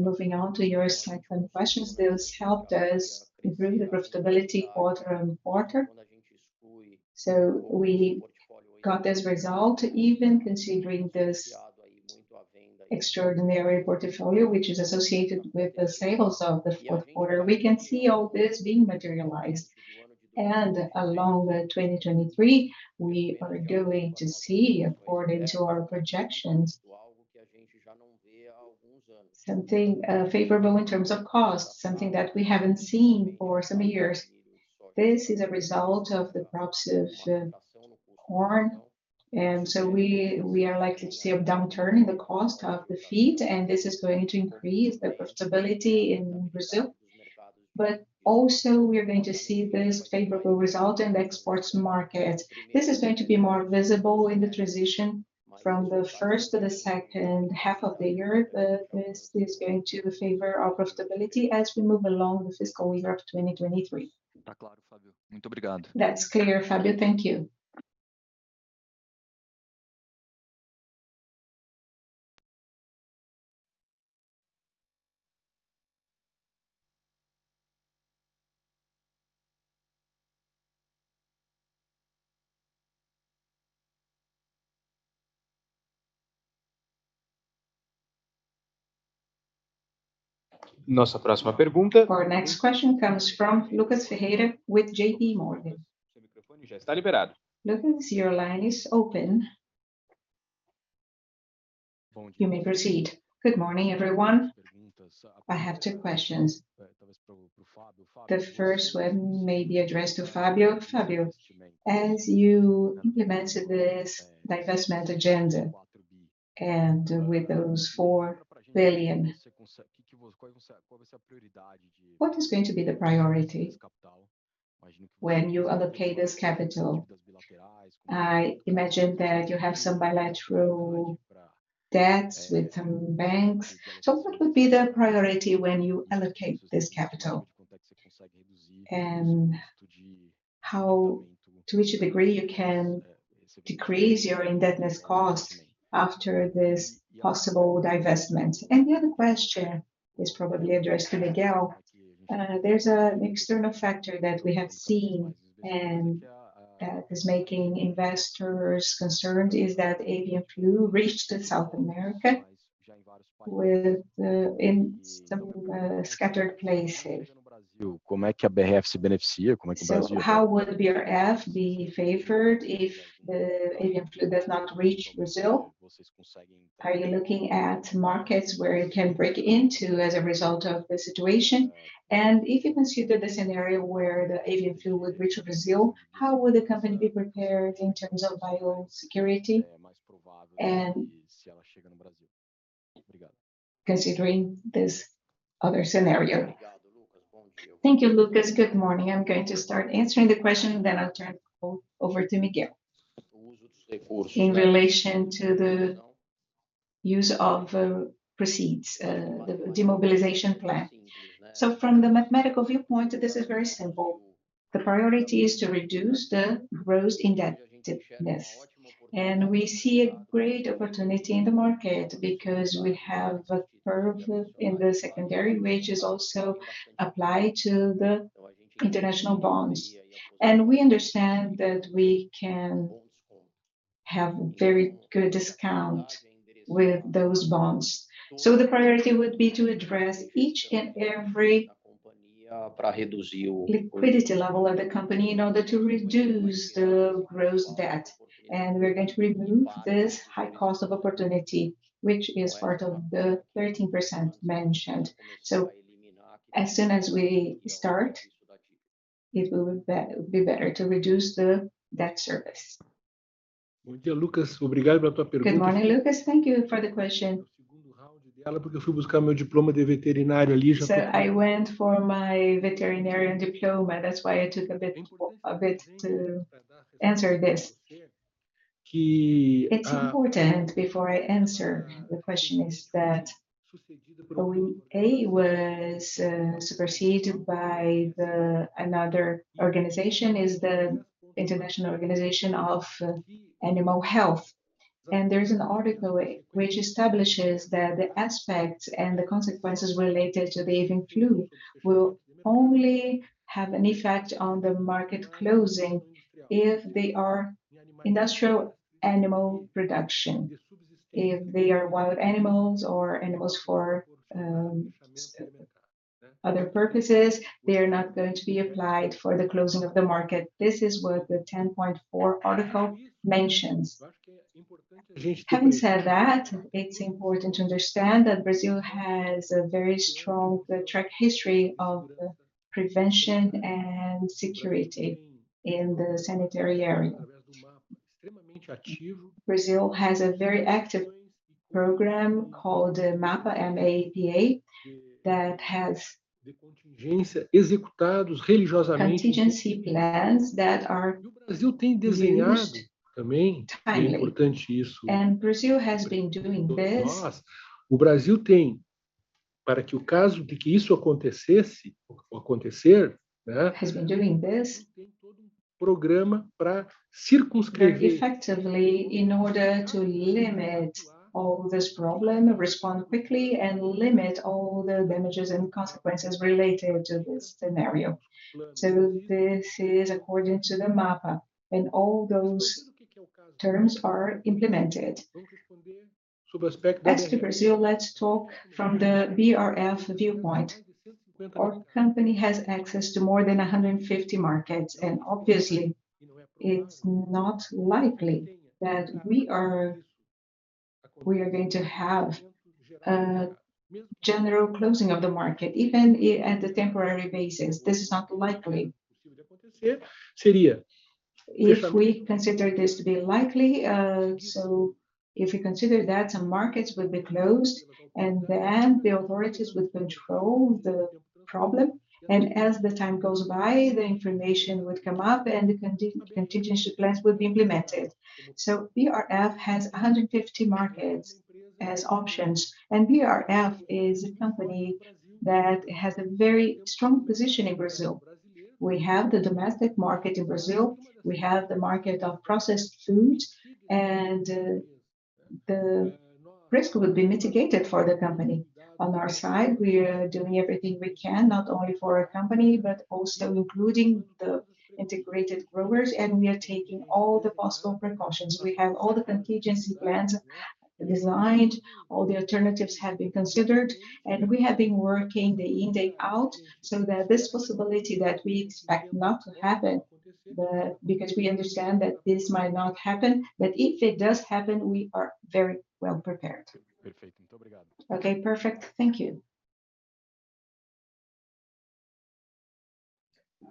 Speaker 3: Moving on to your second questions, this helped us improve the profitability quarter on quarter. We got this result even considering this extraordinary portfolio, which is associated with the sales of the fourth quarter. We can see all this being materialized. Along the 2023, we are going to see, according to our projections, something favorable in terms of costs, something that we haven't seen for some years. This is a result of the crops of corn, we are likely to see a downturn in the cost of the feed, this is going to increase the profitability in Brazil. Also, we are going to see this favorable result in the exports market. This is going to be more visible in the transition from the first to the second half of the year.
Speaker 7: This is going to favor our profitability as we move along the fiscal year of 2023. That's clear, Fábio. Thank you.
Speaker 1: Our next question comes from Lucas Ferreira with JP Morgan. Lucas, your line is open. You may proceed.
Speaker 8: Good morning, everyone. I have two questions. The first one may be addressed to Fábio. Fábio, as you implemented this divestment agenda and with those 4 billion, what is going to be the priority when you allocate this capital? I imagine that you have some bilateral debts with some banks. What would be the priority when you allocate this capital? To which degree you can decrease your indebtedness cost after this possible divestment? The other question is probably addressed to Miguel. There's an external factor that we have seen and is making investors concerned, is that avian flu reached South America with in some scattered places. How would BRF be favored if the avian flu does not reach Brazil? Are you looking at markets where you can break into as a result of the situation?
Speaker 1: If you consider the scenario where the avian flu would reach Brazil, how would the company be prepared in terms of biosecurity and considering this other scenario?
Speaker 3: Thank you, Lucas. Good morning. I'm going to start answering the question, then I'll turn over to Miguel. In relation to the use of proceeds, the demobilization plan. From the mathematical viewpoint, this is very simple. The priority is to reduce the gross indebtedness. We see a great opportunity in the market because we have a surplus in the secondary, which is also applied to the international bonds. We understand that we can have very good discount with those bonds. The priority would be to address each and every liquidity level of the company in order to reduce the gross debt. We're going to remove this high cost of opportunity, which is part of the 13% mentioned. As soon as we start, it will be better to reduce the debt service. Good morning, Lucas. Thank you for the question. I went for my veterinarian diploma. That's why I took a bit of it to answer this. It's important before I answer the question, is that OIE was superseded by another organization, is the International Organization of Animal Health. There's an article which establishes that the aspects and the consequences related to the avian flu will only have an effect on the market closing if they are industrial animal production. If they are wild animals or animals for other purposes, they are not going to be applied for the closing of the market. This is what the 10.4 article mentions. Having said that, it's important to understand that Brazil has a very strong track history of prevention and security in the sanitary area. Brazil has a very active program called MAPA, M-A-P-A, that has contingency plans that are used timely. Brazil has been doing this very effectively in order to limit all this problem, respond quickly, and limit all the damages and consequences related to this scenario. This is according to the MAPA and all those terms are implemented. Back to Brazil, let's talk from the BRF viewpoint. Our company has access to more than 150 markets, obviously, it's not likely that we are going to have a general closing of the market, even at a temporary basis. This is not likely. If we consider this to be likely, if you consider that some markets would be closed and then the authorities would control the problem, and as the time goes by, the information would come up and the contingency plans would be implemented. BRF has 150 markets as options, and BRF is a company that has a very strong position in Brazil. We have the domestic market in Brazil, we have the market of processed food, and the risk would be mitigated for the company. On our side, we are doing everything we can, not only for our company, but also including the integrated growers, and we are taking all the possible precautions. We have all the contingency plans designed, all the alternatives have been considered, and we have been working day in, day out, so that this possibility that we expect not to happen, but because we understand that this might not happen, but if it does happen, we are very well prepared.
Speaker 8: Okay, perfect. Thank you.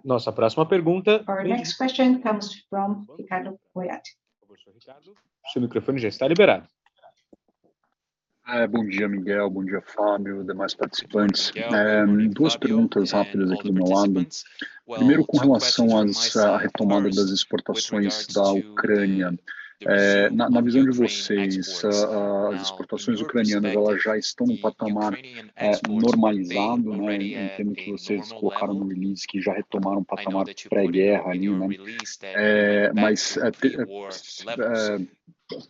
Speaker 8: Nossa próxima pergunta.
Speaker 1: Our next question comes from Ricardo Moyat. Sr. Ricardo, seu microfone já está liberado.
Speaker 9: Bom dia, Miguel. Bom dia, Fábio, demais participantes. Duas perguntas rápidas aqui do meu lado. Primeiro, com relação às, à retomada das exportações da Ukraine. Na, na visão de vocês, as exportações Ukrainianas, elas já estão num patamar normalizado, né, entendo que vocês colocaram no release que já retomaram o patamar de pré-guerra ali, né? Mas,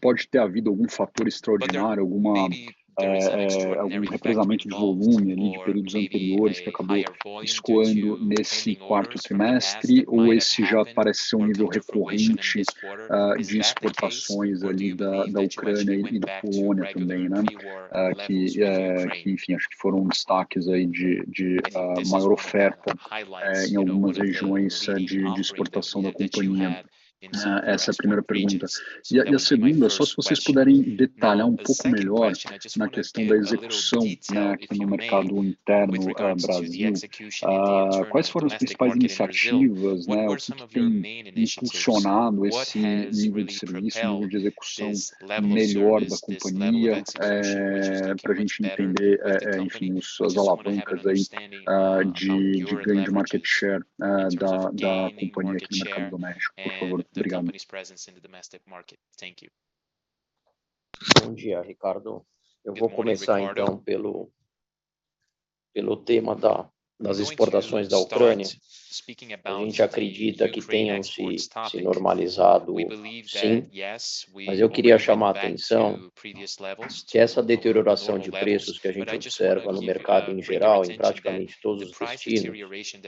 Speaker 9: pode ter havido algum fator extraordinário, alguma, algum reprezamento de volume ali de períodos anteriores que acabou escoando nesse quarto trimestre, ou esse já parece ser um nível recorrente de exportações ali da Ukraine e da Poland também, né? Que, que enfim, acho que foram destaques aí de, maior oferta em algumas regiões de exportação da companhia. Essa é a primeira pergunta. A segunda, só se vocês puderem detalhar um pouco melhor na questão da execução, né, aqui no mercado interno, Brasil. Quais foram as principais iniciativas, né, o que que tem impulsionado esse nível de serviço, nível de execução melhor da companhia? Pra gente entender, enfim, os, as alavancas aí, de ganho de market share, da companhia aqui no mercado doméstico. Por favor. Obrigado.
Speaker 3: Bom dia, Ricardo. Eu vou começar então pelo tema das exportações da Ukraine. A gente acredita que tenham se normalizado, sim, mas eu queria chamar a atenção que essa deterioração de preços que a gente observa no mercado em geral, em praticamente todos os destinos,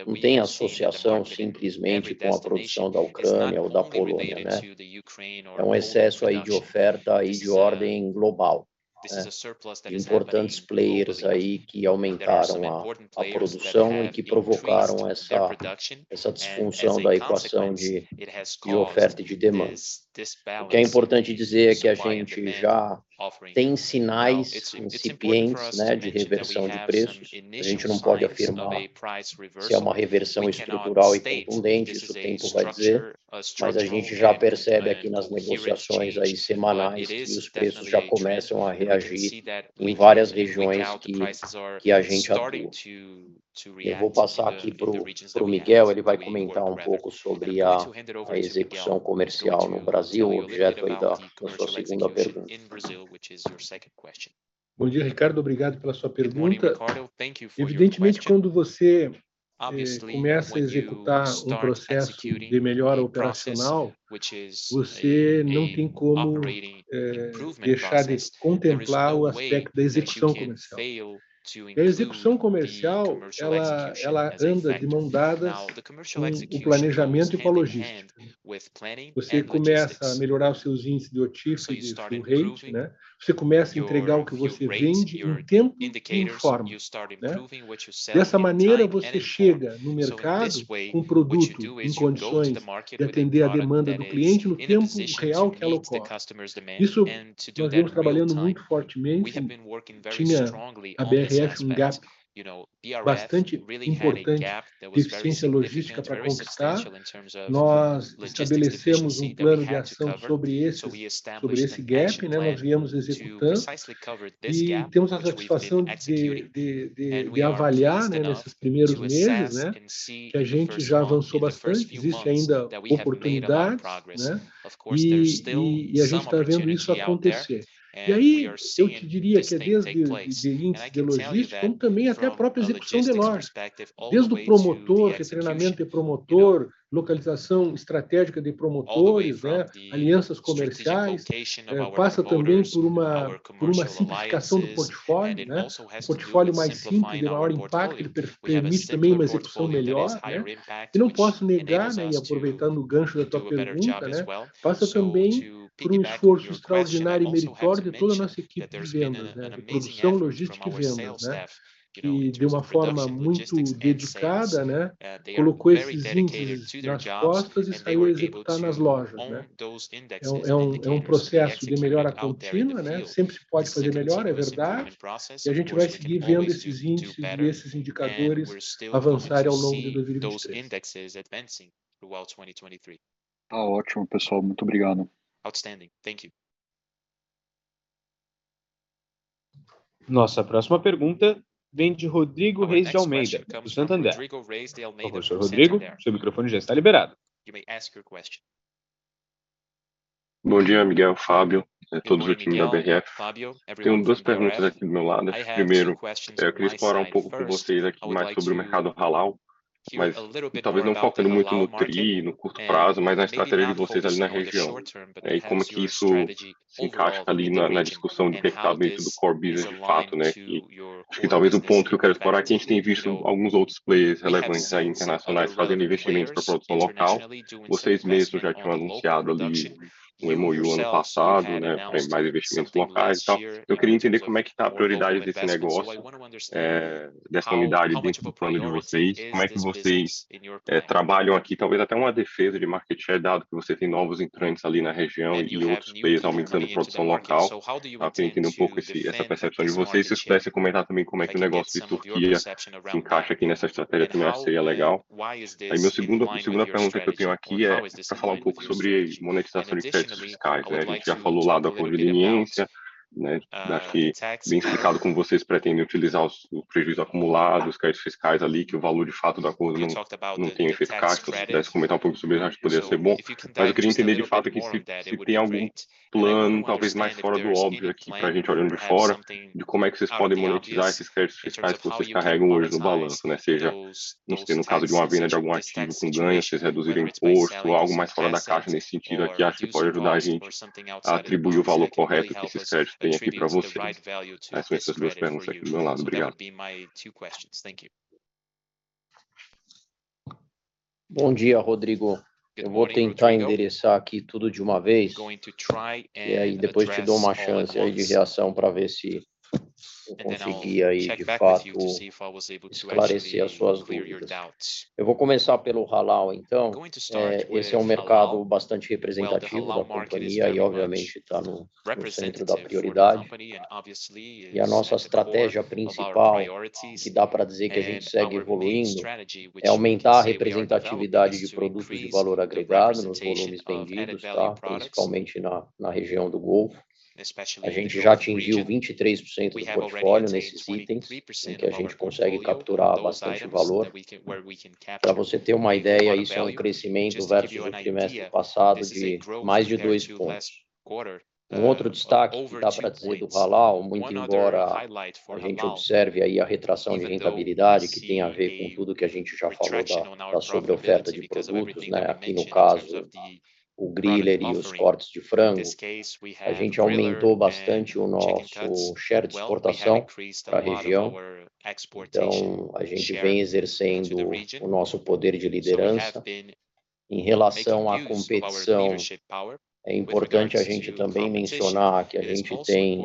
Speaker 3: não tem associação simplesmente com a produção da Ukraine ou da Poland, né. É um excesso aí de oferta de ordem global, né. Importantes players aí que aumentaram a produção e que provocaram essa disfunção da equação de oferta e de demanda. O que é importante dizer é que a gente já tem sinais incipientes, né, de reversão de preços. A gente não pode afirmar se é uma reversão estrutural e contundente, isso o tempo vai dizer, mas a gente já percebe aqui nas negociações aí semanais que os preços já começam a reagir em várias regiões que a gente atua. Eu vou passar aqui pro Miguel, ele vai comentar um pouco sobre a execução comercial no Brazil, objeto aí da sua segunda pergunta.
Speaker 2: Bom dia, Ricardo. Obrigado pela sua pergunta. Evidentemente, quando você começa a executar um processo de melhora operacional, você não tem como deixar de contemplar o aspecto da execução comercial. A execução comercial, ela anda de mãos dadas com o planejamento e com a logística. Você começa a melhorar os seus índices de OTIF, os seus rates, né? Você começa a entregar o que você vende em tempo e em forma, né? Dessa maneira, você chega no mercado com produto em condições de atender a demanda do cliente no tempo real que ela ocorre. Isso nós viemos trabalhando muito fortemente. A BRF um gap bastante importante de eficiência logística pra conquistar. Nós estabelecemos um plano de ação sobre esse gap, né? Nós viemos executando e temos a satisfação de avaliar, né, nesses primeiros meses, né, que a gente já avançou bastante. Existe ainda oportunidades, né? A gente tá vendo isso acontecer. Aí eu te diria que é desde de índice de logística ou também até a própria execução de loja. Desde o promotor, retrinamento de promotor, localização estratégica de promotores, né, alianças comerciais, passa também por uma simplificação do portfólio, né? Um portfólio mais simples de maior impacto permite também uma execução melhor, né? Eu não posso negar, né, aproveitando o gancho da tua pergunta, né, passa também por um esforço extraordinário e mercador de toda a nossa equipe de vendas, né? De produção, logística e vendas, né? Que de uma forma muito dedicada, né, colocou esses índices nas costas e saiu a executar nas lojas, né? É um processo de melhora contínua, né? Sempre se pode fazer melhor, é verdade. A gente vai seguir vendo esses índices e esses indicadores avançarem ao longo de 2023.
Speaker 9: Tá ótimo, pessoal. Muito obrigado.
Speaker 10: Nossa próxima pergunta vem de Rodrigo Reis de Almeida, do Santander. Sr. Rodrigo, seu microfone já está liberado. Bom dia, Miguel, Fábio e todo time da BRF. Tenho 2 perguntas aqui do meu lado. Primeiro, eu queria explorar um pouco com vocês aqui mais sobre o mercado halal, mas talvez não focando muito no tri, no curto prazo, mas na estratégia de vocês ali na região. Como que isso se encaixa ali na discussão de que tá dentro do core business de fato. Acho que talvez o ponto que eu quero explorar, que a gente tem visto alguns outros players relevantes aí internacionais fazendo investimentos pra produção local. Vocês mesmos já tinham anunciado ali o MOU ano passado pra mais investimentos locais e tal. Eu queria entender como é que tá a prioridade desse negócio, dessa unidade dentro do plano de vocês, como é que vocês trabalham aqui, talvez até uma defesa de market share, dado que você tem novos entrantes ali na região e outros players aumentando a produção local. Eu queria entender um pouco essa percepção de vocês e se você pudesse comentar também como é que o negócio de Turkey se encaixa aqui nessa estratégia que me achei legal. Minha segunda pergunta que eu tenho aqui é pra falar um pouco sobre monetização de créditos fiscais. A gente já falou lá da oportunidade, daqui bem explicado como vocês pretendem utilizar o prejuízo acumulado, os créditos fiscais ali, que o valor de fato da coisa não tem efeito de caixa, se pudesse comentar um pouco sobre isso, acho que poderia ser bom. Eu queria entender de fato aqui se tem algum plano, talvez mais fora do óbvio aqui pra gente olhando de fora, de como é que vocês podem monetizar esses créditos fiscais que vocês carregam hoje no balanço, seja no caso de uma venda de algum ativo com ganho, vocês reduzirem imposto ou algo mais fora da caixa nesse sentido, que acho que pode ajudar a gente a atribuir o valor correto que esse crédito tem aqui pra vocês? Essas são as duas perguntas aqui do meu lado. Obrigado.
Speaker 3: Bom dia, Rodrigo. Eu vou tentar endereçar aqui tudo de uma vez e aí depois te dou uma chance aí de reação pra ver se eu consegui aí de fato esclarecer as suas dúvidas. Eu vou começar pelo halal. Esse é um mercado bastante representativo da companhia e obviamente tá no centro da prioridade. A nossa estratégia principal, que dá pra dizer que a gente segue evoluindo, é aumentar a representatividade de produtos de valor agregado nos volumes vendidos, principalmente na região do Golfo. A gente já atingiu 23% do portfólio nesses itens, em que a gente consegue capturar bastante valor. Pra você ter uma ideia, isso é um crescimento versus o trimestre passado de mais de dois pontos. Outro destaque que dá pra dizer do halal, muito embora a gente observe aí a retração de rentabilidade, que tem a ver com tudo que a gente já falou da sobreoferta de produtos, aqui no caso o griller e os cortes de frango, a gente aumentou bastante o nosso share de exportação pra região. A gente vem exercendo o nosso poder de liderança. Em relação à competição, é importante a gente também mencionar que a gente tem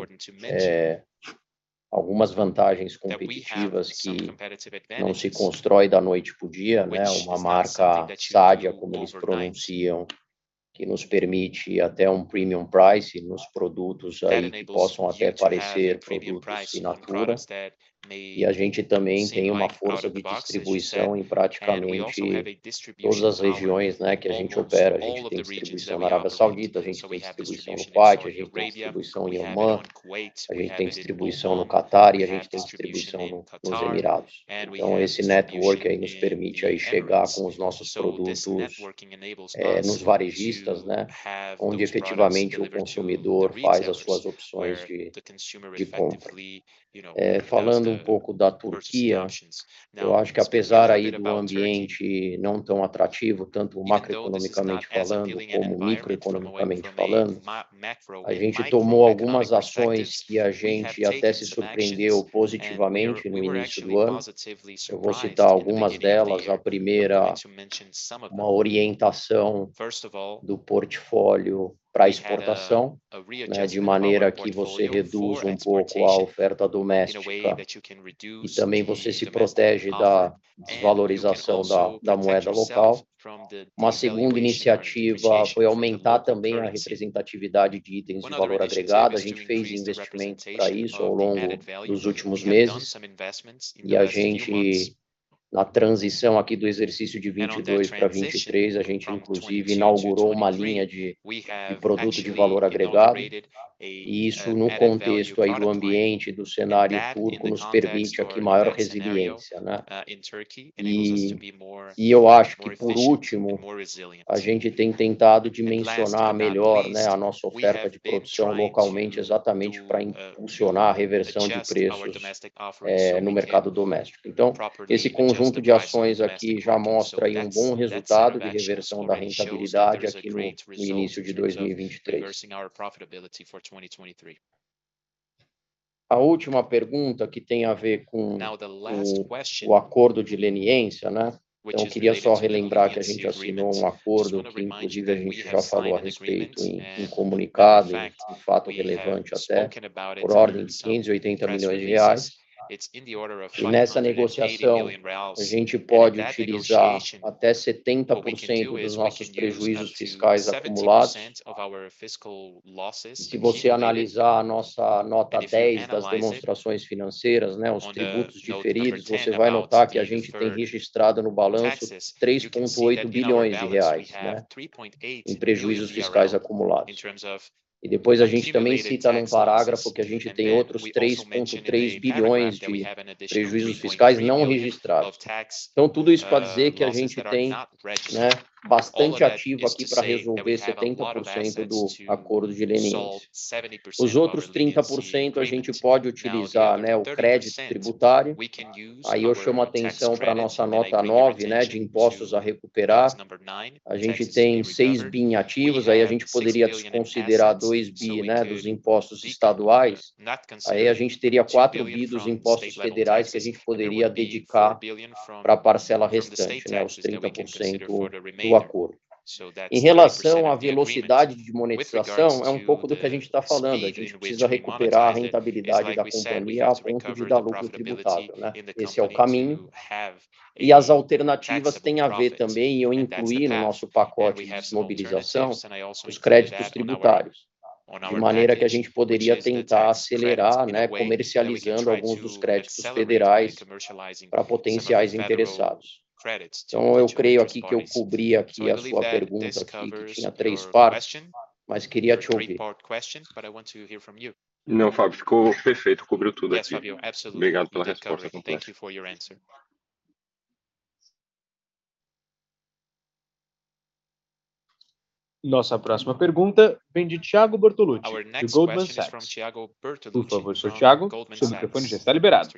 Speaker 3: algumas vantagens competitivas que não se constrói da noite pro dia. Uma marca Sadia, como eles pronunciam, que nos permite até um premium price nos produtos que possam até parecer produtos assinatura. A gente também tem uma força de distribuição em praticamente todas as regiões que a gente opera. A gente tem distribuição na Arábia Saudita, a gente tem distribuição no Paquistão, a gente tem distribuição em Omã, a gente tem distribuição no Qatar e a gente tem distribuição nos Emirados. Esse network nos permite chegar com os nossos produtos nos varejistas, onde efetivamente o consumidor faz as suas opções de compra. Falando um pouco da Turquia, eu acho que apesar do ambiente não tão atrativo, tanto macroeconomicamente falando como microeconomicamente falando, a gente tomou algumas ações que a gente até se surpreendeu positivamente no início do ano. Eu vou citar algumas delas. A primeira, uma orientação do portfólio pra exportação, de maneira que você reduz um pouco a oferta doméstica e também você se protege da desvalorização da moeda local. Uma segunda iniciativa foi aumentar também a representatividade de itens de valor agregado. A gente fez investimento pra isso ao longo dos últimos meses e a gente, na transição aqui do exercício de 2022 pra 2023, a gente inclusive inaugurou uma linha de produto de valor agregado, e isso no contexto do ambiente do cenário turco nos permite aqui maior resiliência. Eu acho que, por último, a gente tem tentado dimensionar melhor a nossa oferta de produção localmente exatamente pra impulsionar a reversão de preços no mercado doméstico. Esse conjunto de ações aqui já mostra um bom resultado de reversão da rentabilidade aqui no início de 2023. A última pergunta que tem a ver com o Leniency Agreement. Eu queria só relembrar que a gente assinou um acordo que inclusive a gente já falou a respeito em comunicado, um fato relevante até por ordem de 580 million reais. Nessa negociação, a gente pode utilizar até 70% dos nossos prejuízos fiscais acumulados. Se você analisar a nossa nota 10 das demonstrações financeiras, os tributos diferidos, você vai notar que a gente tem registrado no balanço BRL 3.8 billion em prejuízos fiscais acumulados. Depois a gente também cita no parágrafo que a gente tem outros 3.3 billion de prejuízos fiscais não registrados. Tudo isso para dizer que a gente tem bastante ativo aqui para resolver 70% do Leniency Agreement. Os outros 30%, a gente pode utilizar o crédito tributário. Aí eu chamo a atenção para a nossa nota 9, de impostos a recuperar. A gente tem BRL 6 billion em ativos, aí a gente poderia desconsiderar BRL 2 billion dos impostos estaduais. Aí a gente teria BRL 4 billion dos impostos federais que a gente poderia dedicar para a parcela restante, os 30% do acordo. Em relação à velocidade de monetização, é um pouco do que a gente está falando, a gente precisa recuperar a rentabilidade da companhia a ponto de dar lucro tributável. Esse é o caminho. As alternativas têm a ver também, e eu incluí no nosso pacote de mobilização, os créditos tributários, de maneira que a gente poderia tentar acelerar comercializando alguns dos créditos federais para potenciais interessados. Eu creio que eu cobri a sua pergunta que tinha três partes, mas queria te ouvir.
Speaker 10: Não, Fábio, ficou perfeito, cobriu tudo aqui. Obrigado pela resposta.
Speaker 1: Nossa próxima pergunta vem de Thiago Bortoluci, do Goldman Sachs. Por favor, Senhor Thiago, seu microfone já está liberado.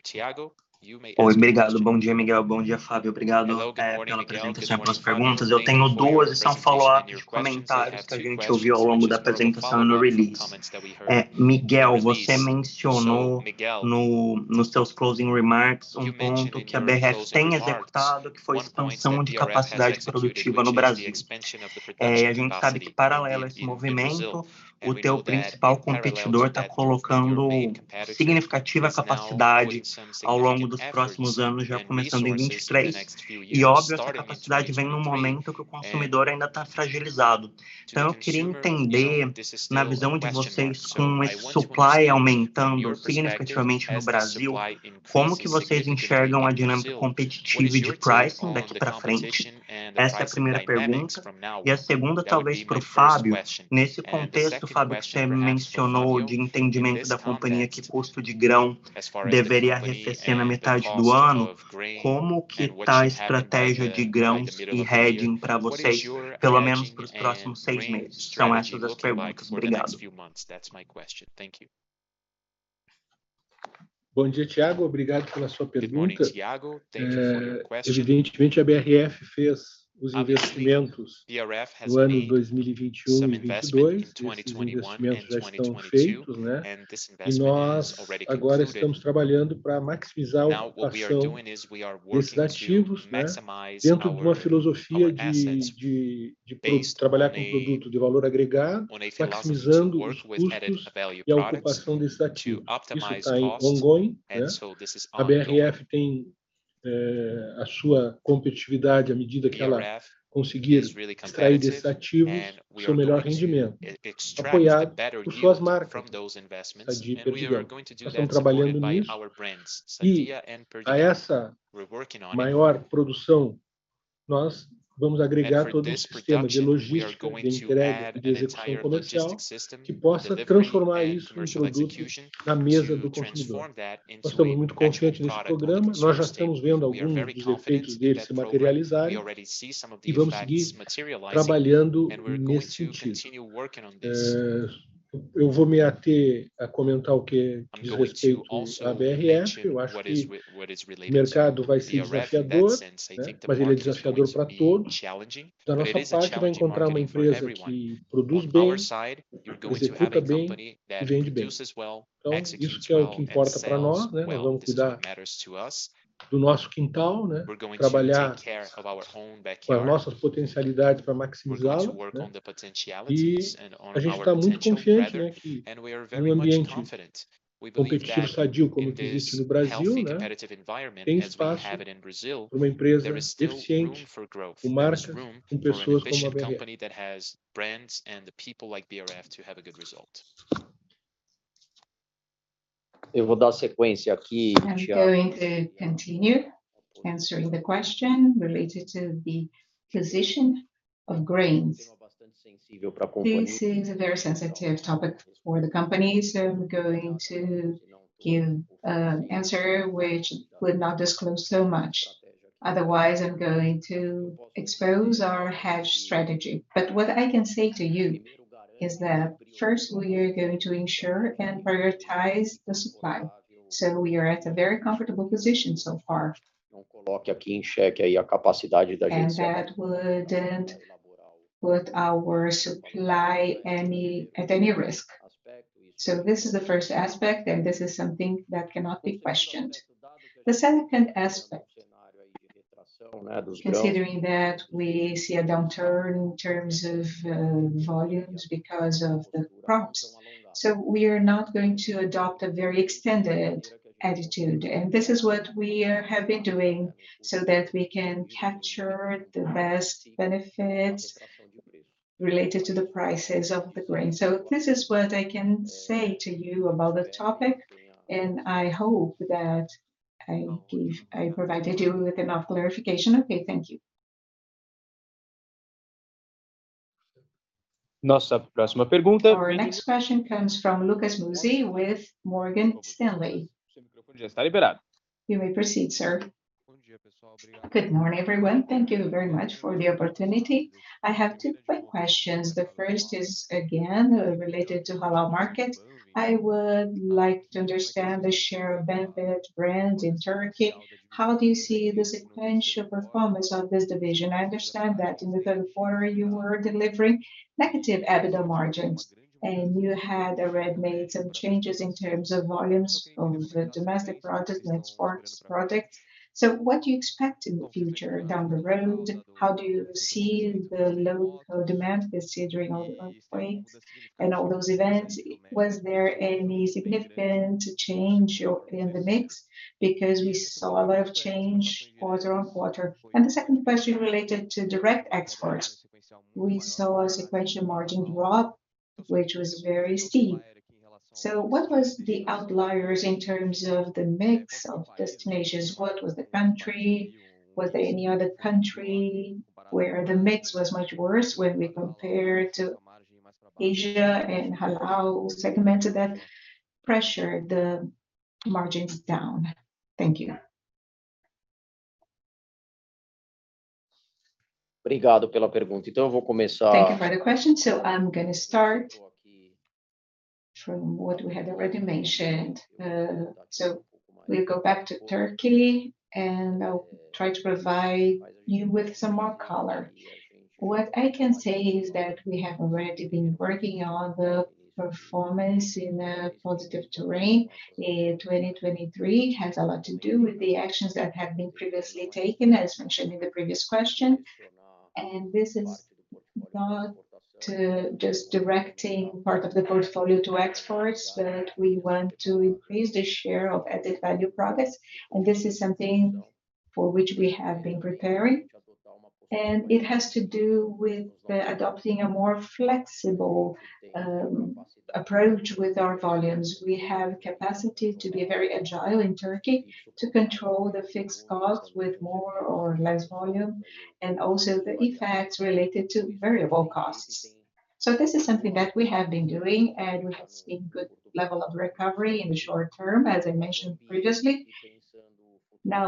Speaker 11: Oi, obrigado. Bom dia, Miguel. Bom dia, Fábio. Obrigado pela apresentação e pelas perguntas. Eu tenho 2 e são comentários que a gente ouviu ao longo da apresentação no release. Miguel, você mencionou nos seus closing remarks um ponto que a BRF tem executado, que foi a expansão de capacidade produtiva no Brasil. A gente sabe que paralelo a esse movimento, o teu principal competidor está colocando significativa capacidade ao longo dos próximos anos, já começando em 2023. Óbvio, essa capacidade vem num momento que o consumidor ainda está fragilizado. Eu queria entender, na visão de vocês, com esse supply aumentando significativamente no Brasil, como que vocês enxergam a dinâmica competitiva e de pricing daqui para frente? Essa é a primeira pergunta. A segunda, talvez pro Fábio. Nesse contexto, Fábio, que você me mencionou de entendimento da companhia que o custo de grão deveria recessar na metade do ano, como que está a estratégia de grãos em hedging para vocês, pelo menos para os próximos seis meses? São essas as perguntas. Obrigado.
Speaker 2: Bom dia, Thiago, obrigado pela sua pergunta. Evidentemente, a BRF fez os investimentos no ano de 2021 e 2022. Esses investimentos já estão feitos. Nós agora estamos trabalhando para maximizar a ocupação desses ativos, dentro de uma filosofia de trabalhar com produto de valor agregado, maximizando os custos e a ocupação desse ativo. Isso está em ongoing. A BRF tem a sua competitividade à medida que ela conseguir extrair desses ativos o seu melhor rendimento, apoiado por suas marcas, a Sadia e Perdigão. Nós estamos trabalhando nisso e a essa maior produção, nós vamos agregar todo o sistema de logística, de entrega e de execução comercial que possa transformar isso em um produto na mesa do consumidor. Nós estamos muito confiantes nesse programa, nós já estamos vendo alguns dos efeitos deles se materializarem e vamos seguir trabalhando nesse sentido. Eu vou me ater a comentar o que diz respeito à BRF. Eu acho que o mercado vai ser desafiador, mas ele é desafiador para todos. Da nossa parte, vai encontrar uma empresa que produz bem, executa bem e vende bem. Isso que é o que importa para nós. Nós vamos cuidar do nosso quintal, trabalhar com as nossas potencialidades para maximizá-las. A gente está muito confiante que em um ambiente competitivo sadio como o que existe no Brasil, tem espaço para uma empresa eficiente, com marcas, com pessoas como a BRF.
Speaker 3: Eu vou dar sequência aqui, Thiago.
Speaker 1: Eu vou continuar respondendo a pergunta relacionada à posição de grãos. Este é um tópico muito sensível para a empresa. Vou dar uma resposta que não vai divulgar tanto. Caso contrário, vou expor a nossa estratégia de hedge. O que posso dizer a você é que primeiro vamos garantir e priorizar o supply. Estamos em uma posição muito confortável até agora.
Speaker 3: Não coloque em xeque a capacidade da gente suprir.
Speaker 1: Put our supply any, at any risk. This is the first aspect, and this is something that cannot be questioned. The second aspect, considering that we see a downturn in terms of volumes because of the crops. We are not going to adopt a very extended attitude, and this is what we have been doing so that we can capture the best benefits related to the prices of the grain. This is what I can say to you about the topic, and I hope that I provided you with enough clarification. Okay, thank you. Our next question comes from Lucas Mussi with Morgan Stanley. You may proceed, sir.
Speaker 12: Good morning, everyone. Thank you very much for the opportunity. I have two quick questions. The first is, again, related to halal market. I would like to understand the share of Banvit brands in Turkey. How do you see the sequential performance of this division? I understand that in the third quarter, you were delivering negative EBITDA margins, and you had already made some changes in terms of volumes of the domestic products and exports products. What do you expect in the future down the road? How do you see the low demand considering all the earthquakes and all those events? Was there any significant change or in the mix? We saw a lot of change quarter-over-quarter. The second question related to direct exports. We saw a sequential margin drop, which was very steep. What was the outliers in terms of the mix of destinations? What was the country? Was there any other country where the mix was much worse when we compare to Asia and halal segment that pressured the margins down? Thank you.
Speaker 3: Thank you for the question. I'm gonna start from what we have already mentioned. We go back to Turkey, and I'll try to provide you with some more color. What I can say is that we have already been working on the performance in a positive terrain. 2023 has a lot to do with the actions that have been previously taken, as mentioned in the previous question. This is not to just directing part of the portfolio to exports, but we want to increase the share of added value products. This is something for which we have been preparing. It has to do with the adopting a more flexible approach with our volumes. We have capacity to be very agile in Turkey to control the fixed cost with more or less volume, and also the effects related to variable costs. This is something that we have been doing, and we have seen good level of recovery in the short term, as I mentioned previously.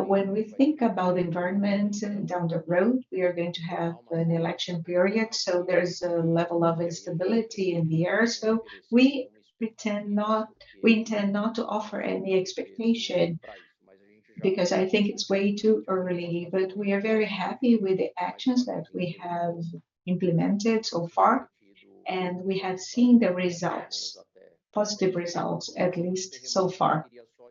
Speaker 3: When we think about environment down the road, we are going to have an election period, so there is a level of instability in the air. We intend not to offer any expectation because I think it's way too early. We are very happy with the actions that we have implemented so far, and we have seen the results, positive results, at least so far.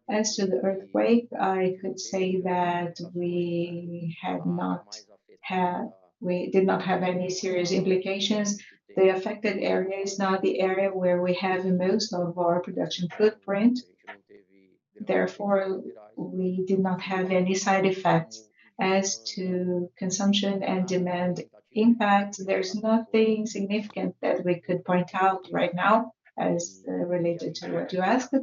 Speaker 3: As to the earthquake, I could say that we did not have any serious implications. The affected area is not the area where we have most of our production footprint. We did not have any side effects. As to consumption and demand impact, there's nothing significant that we could point out right now as related to what you asked.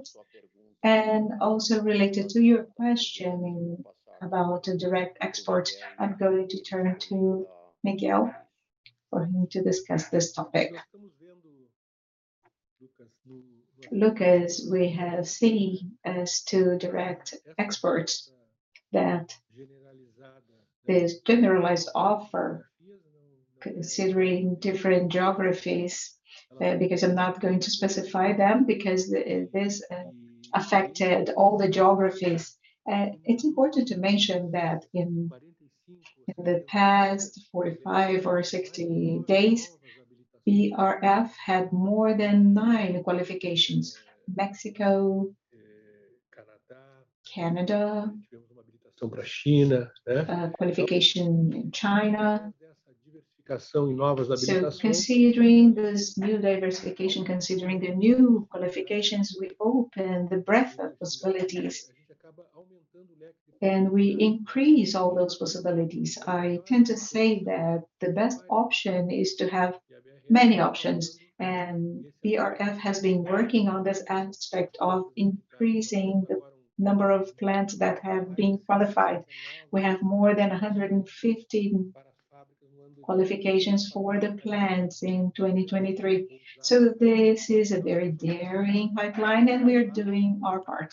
Speaker 3: Also related to your question about the direct export, I'm going to turn to Miguel Gularte for him to discuss this topic. Lucas, we have seen as to direct exports that this generalized offer considering different geographies, because I'm not going to specify them because this affected all the geographies. It's important to mention that in the past 45 or 60 days, BRF had more than 9 qualifications. Mexico, Canada, qualification in China. Considering this new diversification, considering the new qualifications, we open the breadth of possibilities, and we increase all those possibilities. I tend to say that the best option is to have many options. BRF has been working on this aspect of increasing the number of plants that have been qualified. We have more than 150 qualifications for the plants in 2023. This is a very daring pipeline, and we are doing our part.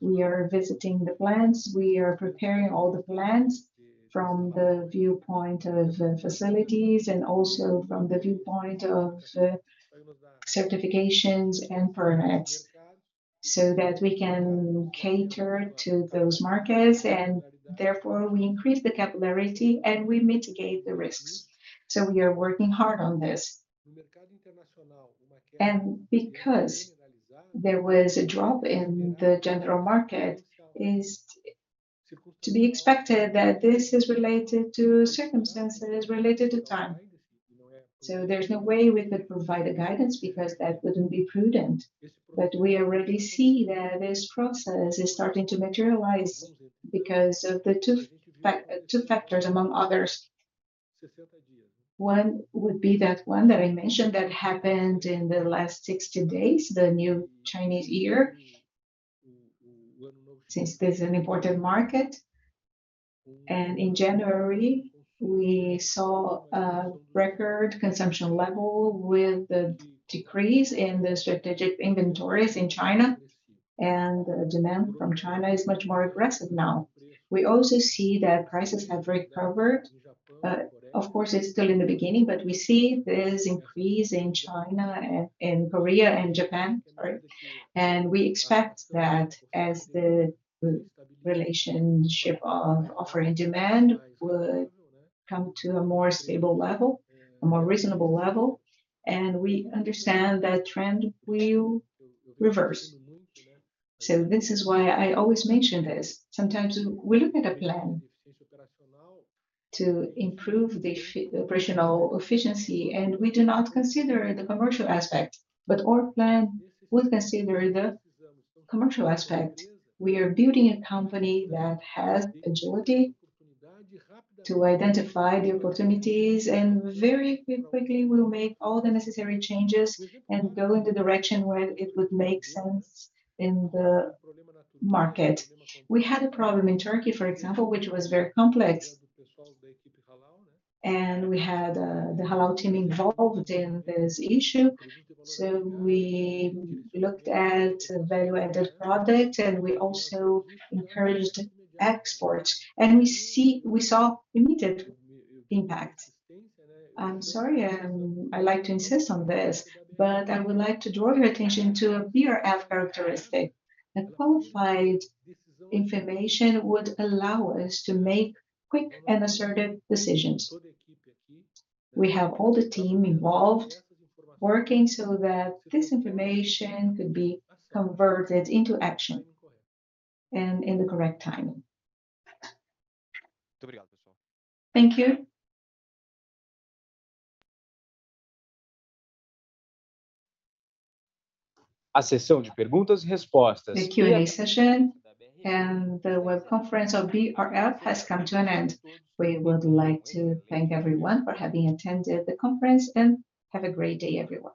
Speaker 3: We are visiting the plants. We are preparing all the plants from the viewpoint of facilities and also from the viewpoint of certifications and permits. So that we can cater to those markets and therefore we increase the capillarity and we mitigate the risks. We are working hard on this.
Speaker 1: Because there was a drop in the general market, is to be expected that this is related to circumstances related to time. There's no way we could provide a guidance because that wouldn't be prudent. We already see that this process is starting to materialize because of the two factors among others. One would be that one that I mentioned that happened in the last 60 days, the new Chinese Year, since this is an important market. In January, we saw a record consumption level with the decrease in the strategic inventories in China. The demand from China is much more aggressive now. We also see that prices have recovered. Of course, it's still in the beginning, but we see this increase in China and in Korea and Japan, sorry.
Speaker 3: We expect that as the relationship of offer and demand will come to a more stable level, a more reasonable level, and we understand that trend will reverse. This is why I always mention this. Sometimes we look at a plan to improve operational efficiency, and we do not consider the commercial aspect. Our plan would consider the commercial aspect. We are building a company that has agility to identify the opportunities, and very quickly we'll make all the necessary changes and go in the direction where it would make sense in the market. We had a problem in Turkey, for example, which was very complex, and we had the halal team involved in this issue. We looked at, evaluated the product, and we also encouraged exports. We saw immediate impact. I'm sorry, I like to insist on this, but I would like to draw your attention to a BRF characteristic. The qualified information would allow us to make quick and assertive decisions. We have all the team involved working so that this information could be converted into action and in the correct timing. Thank you.
Speaker 1: The Q&A session and the web conference of BRF has come to an end. We would like to thank everyone for having attended the conference. Have a great day, everyone.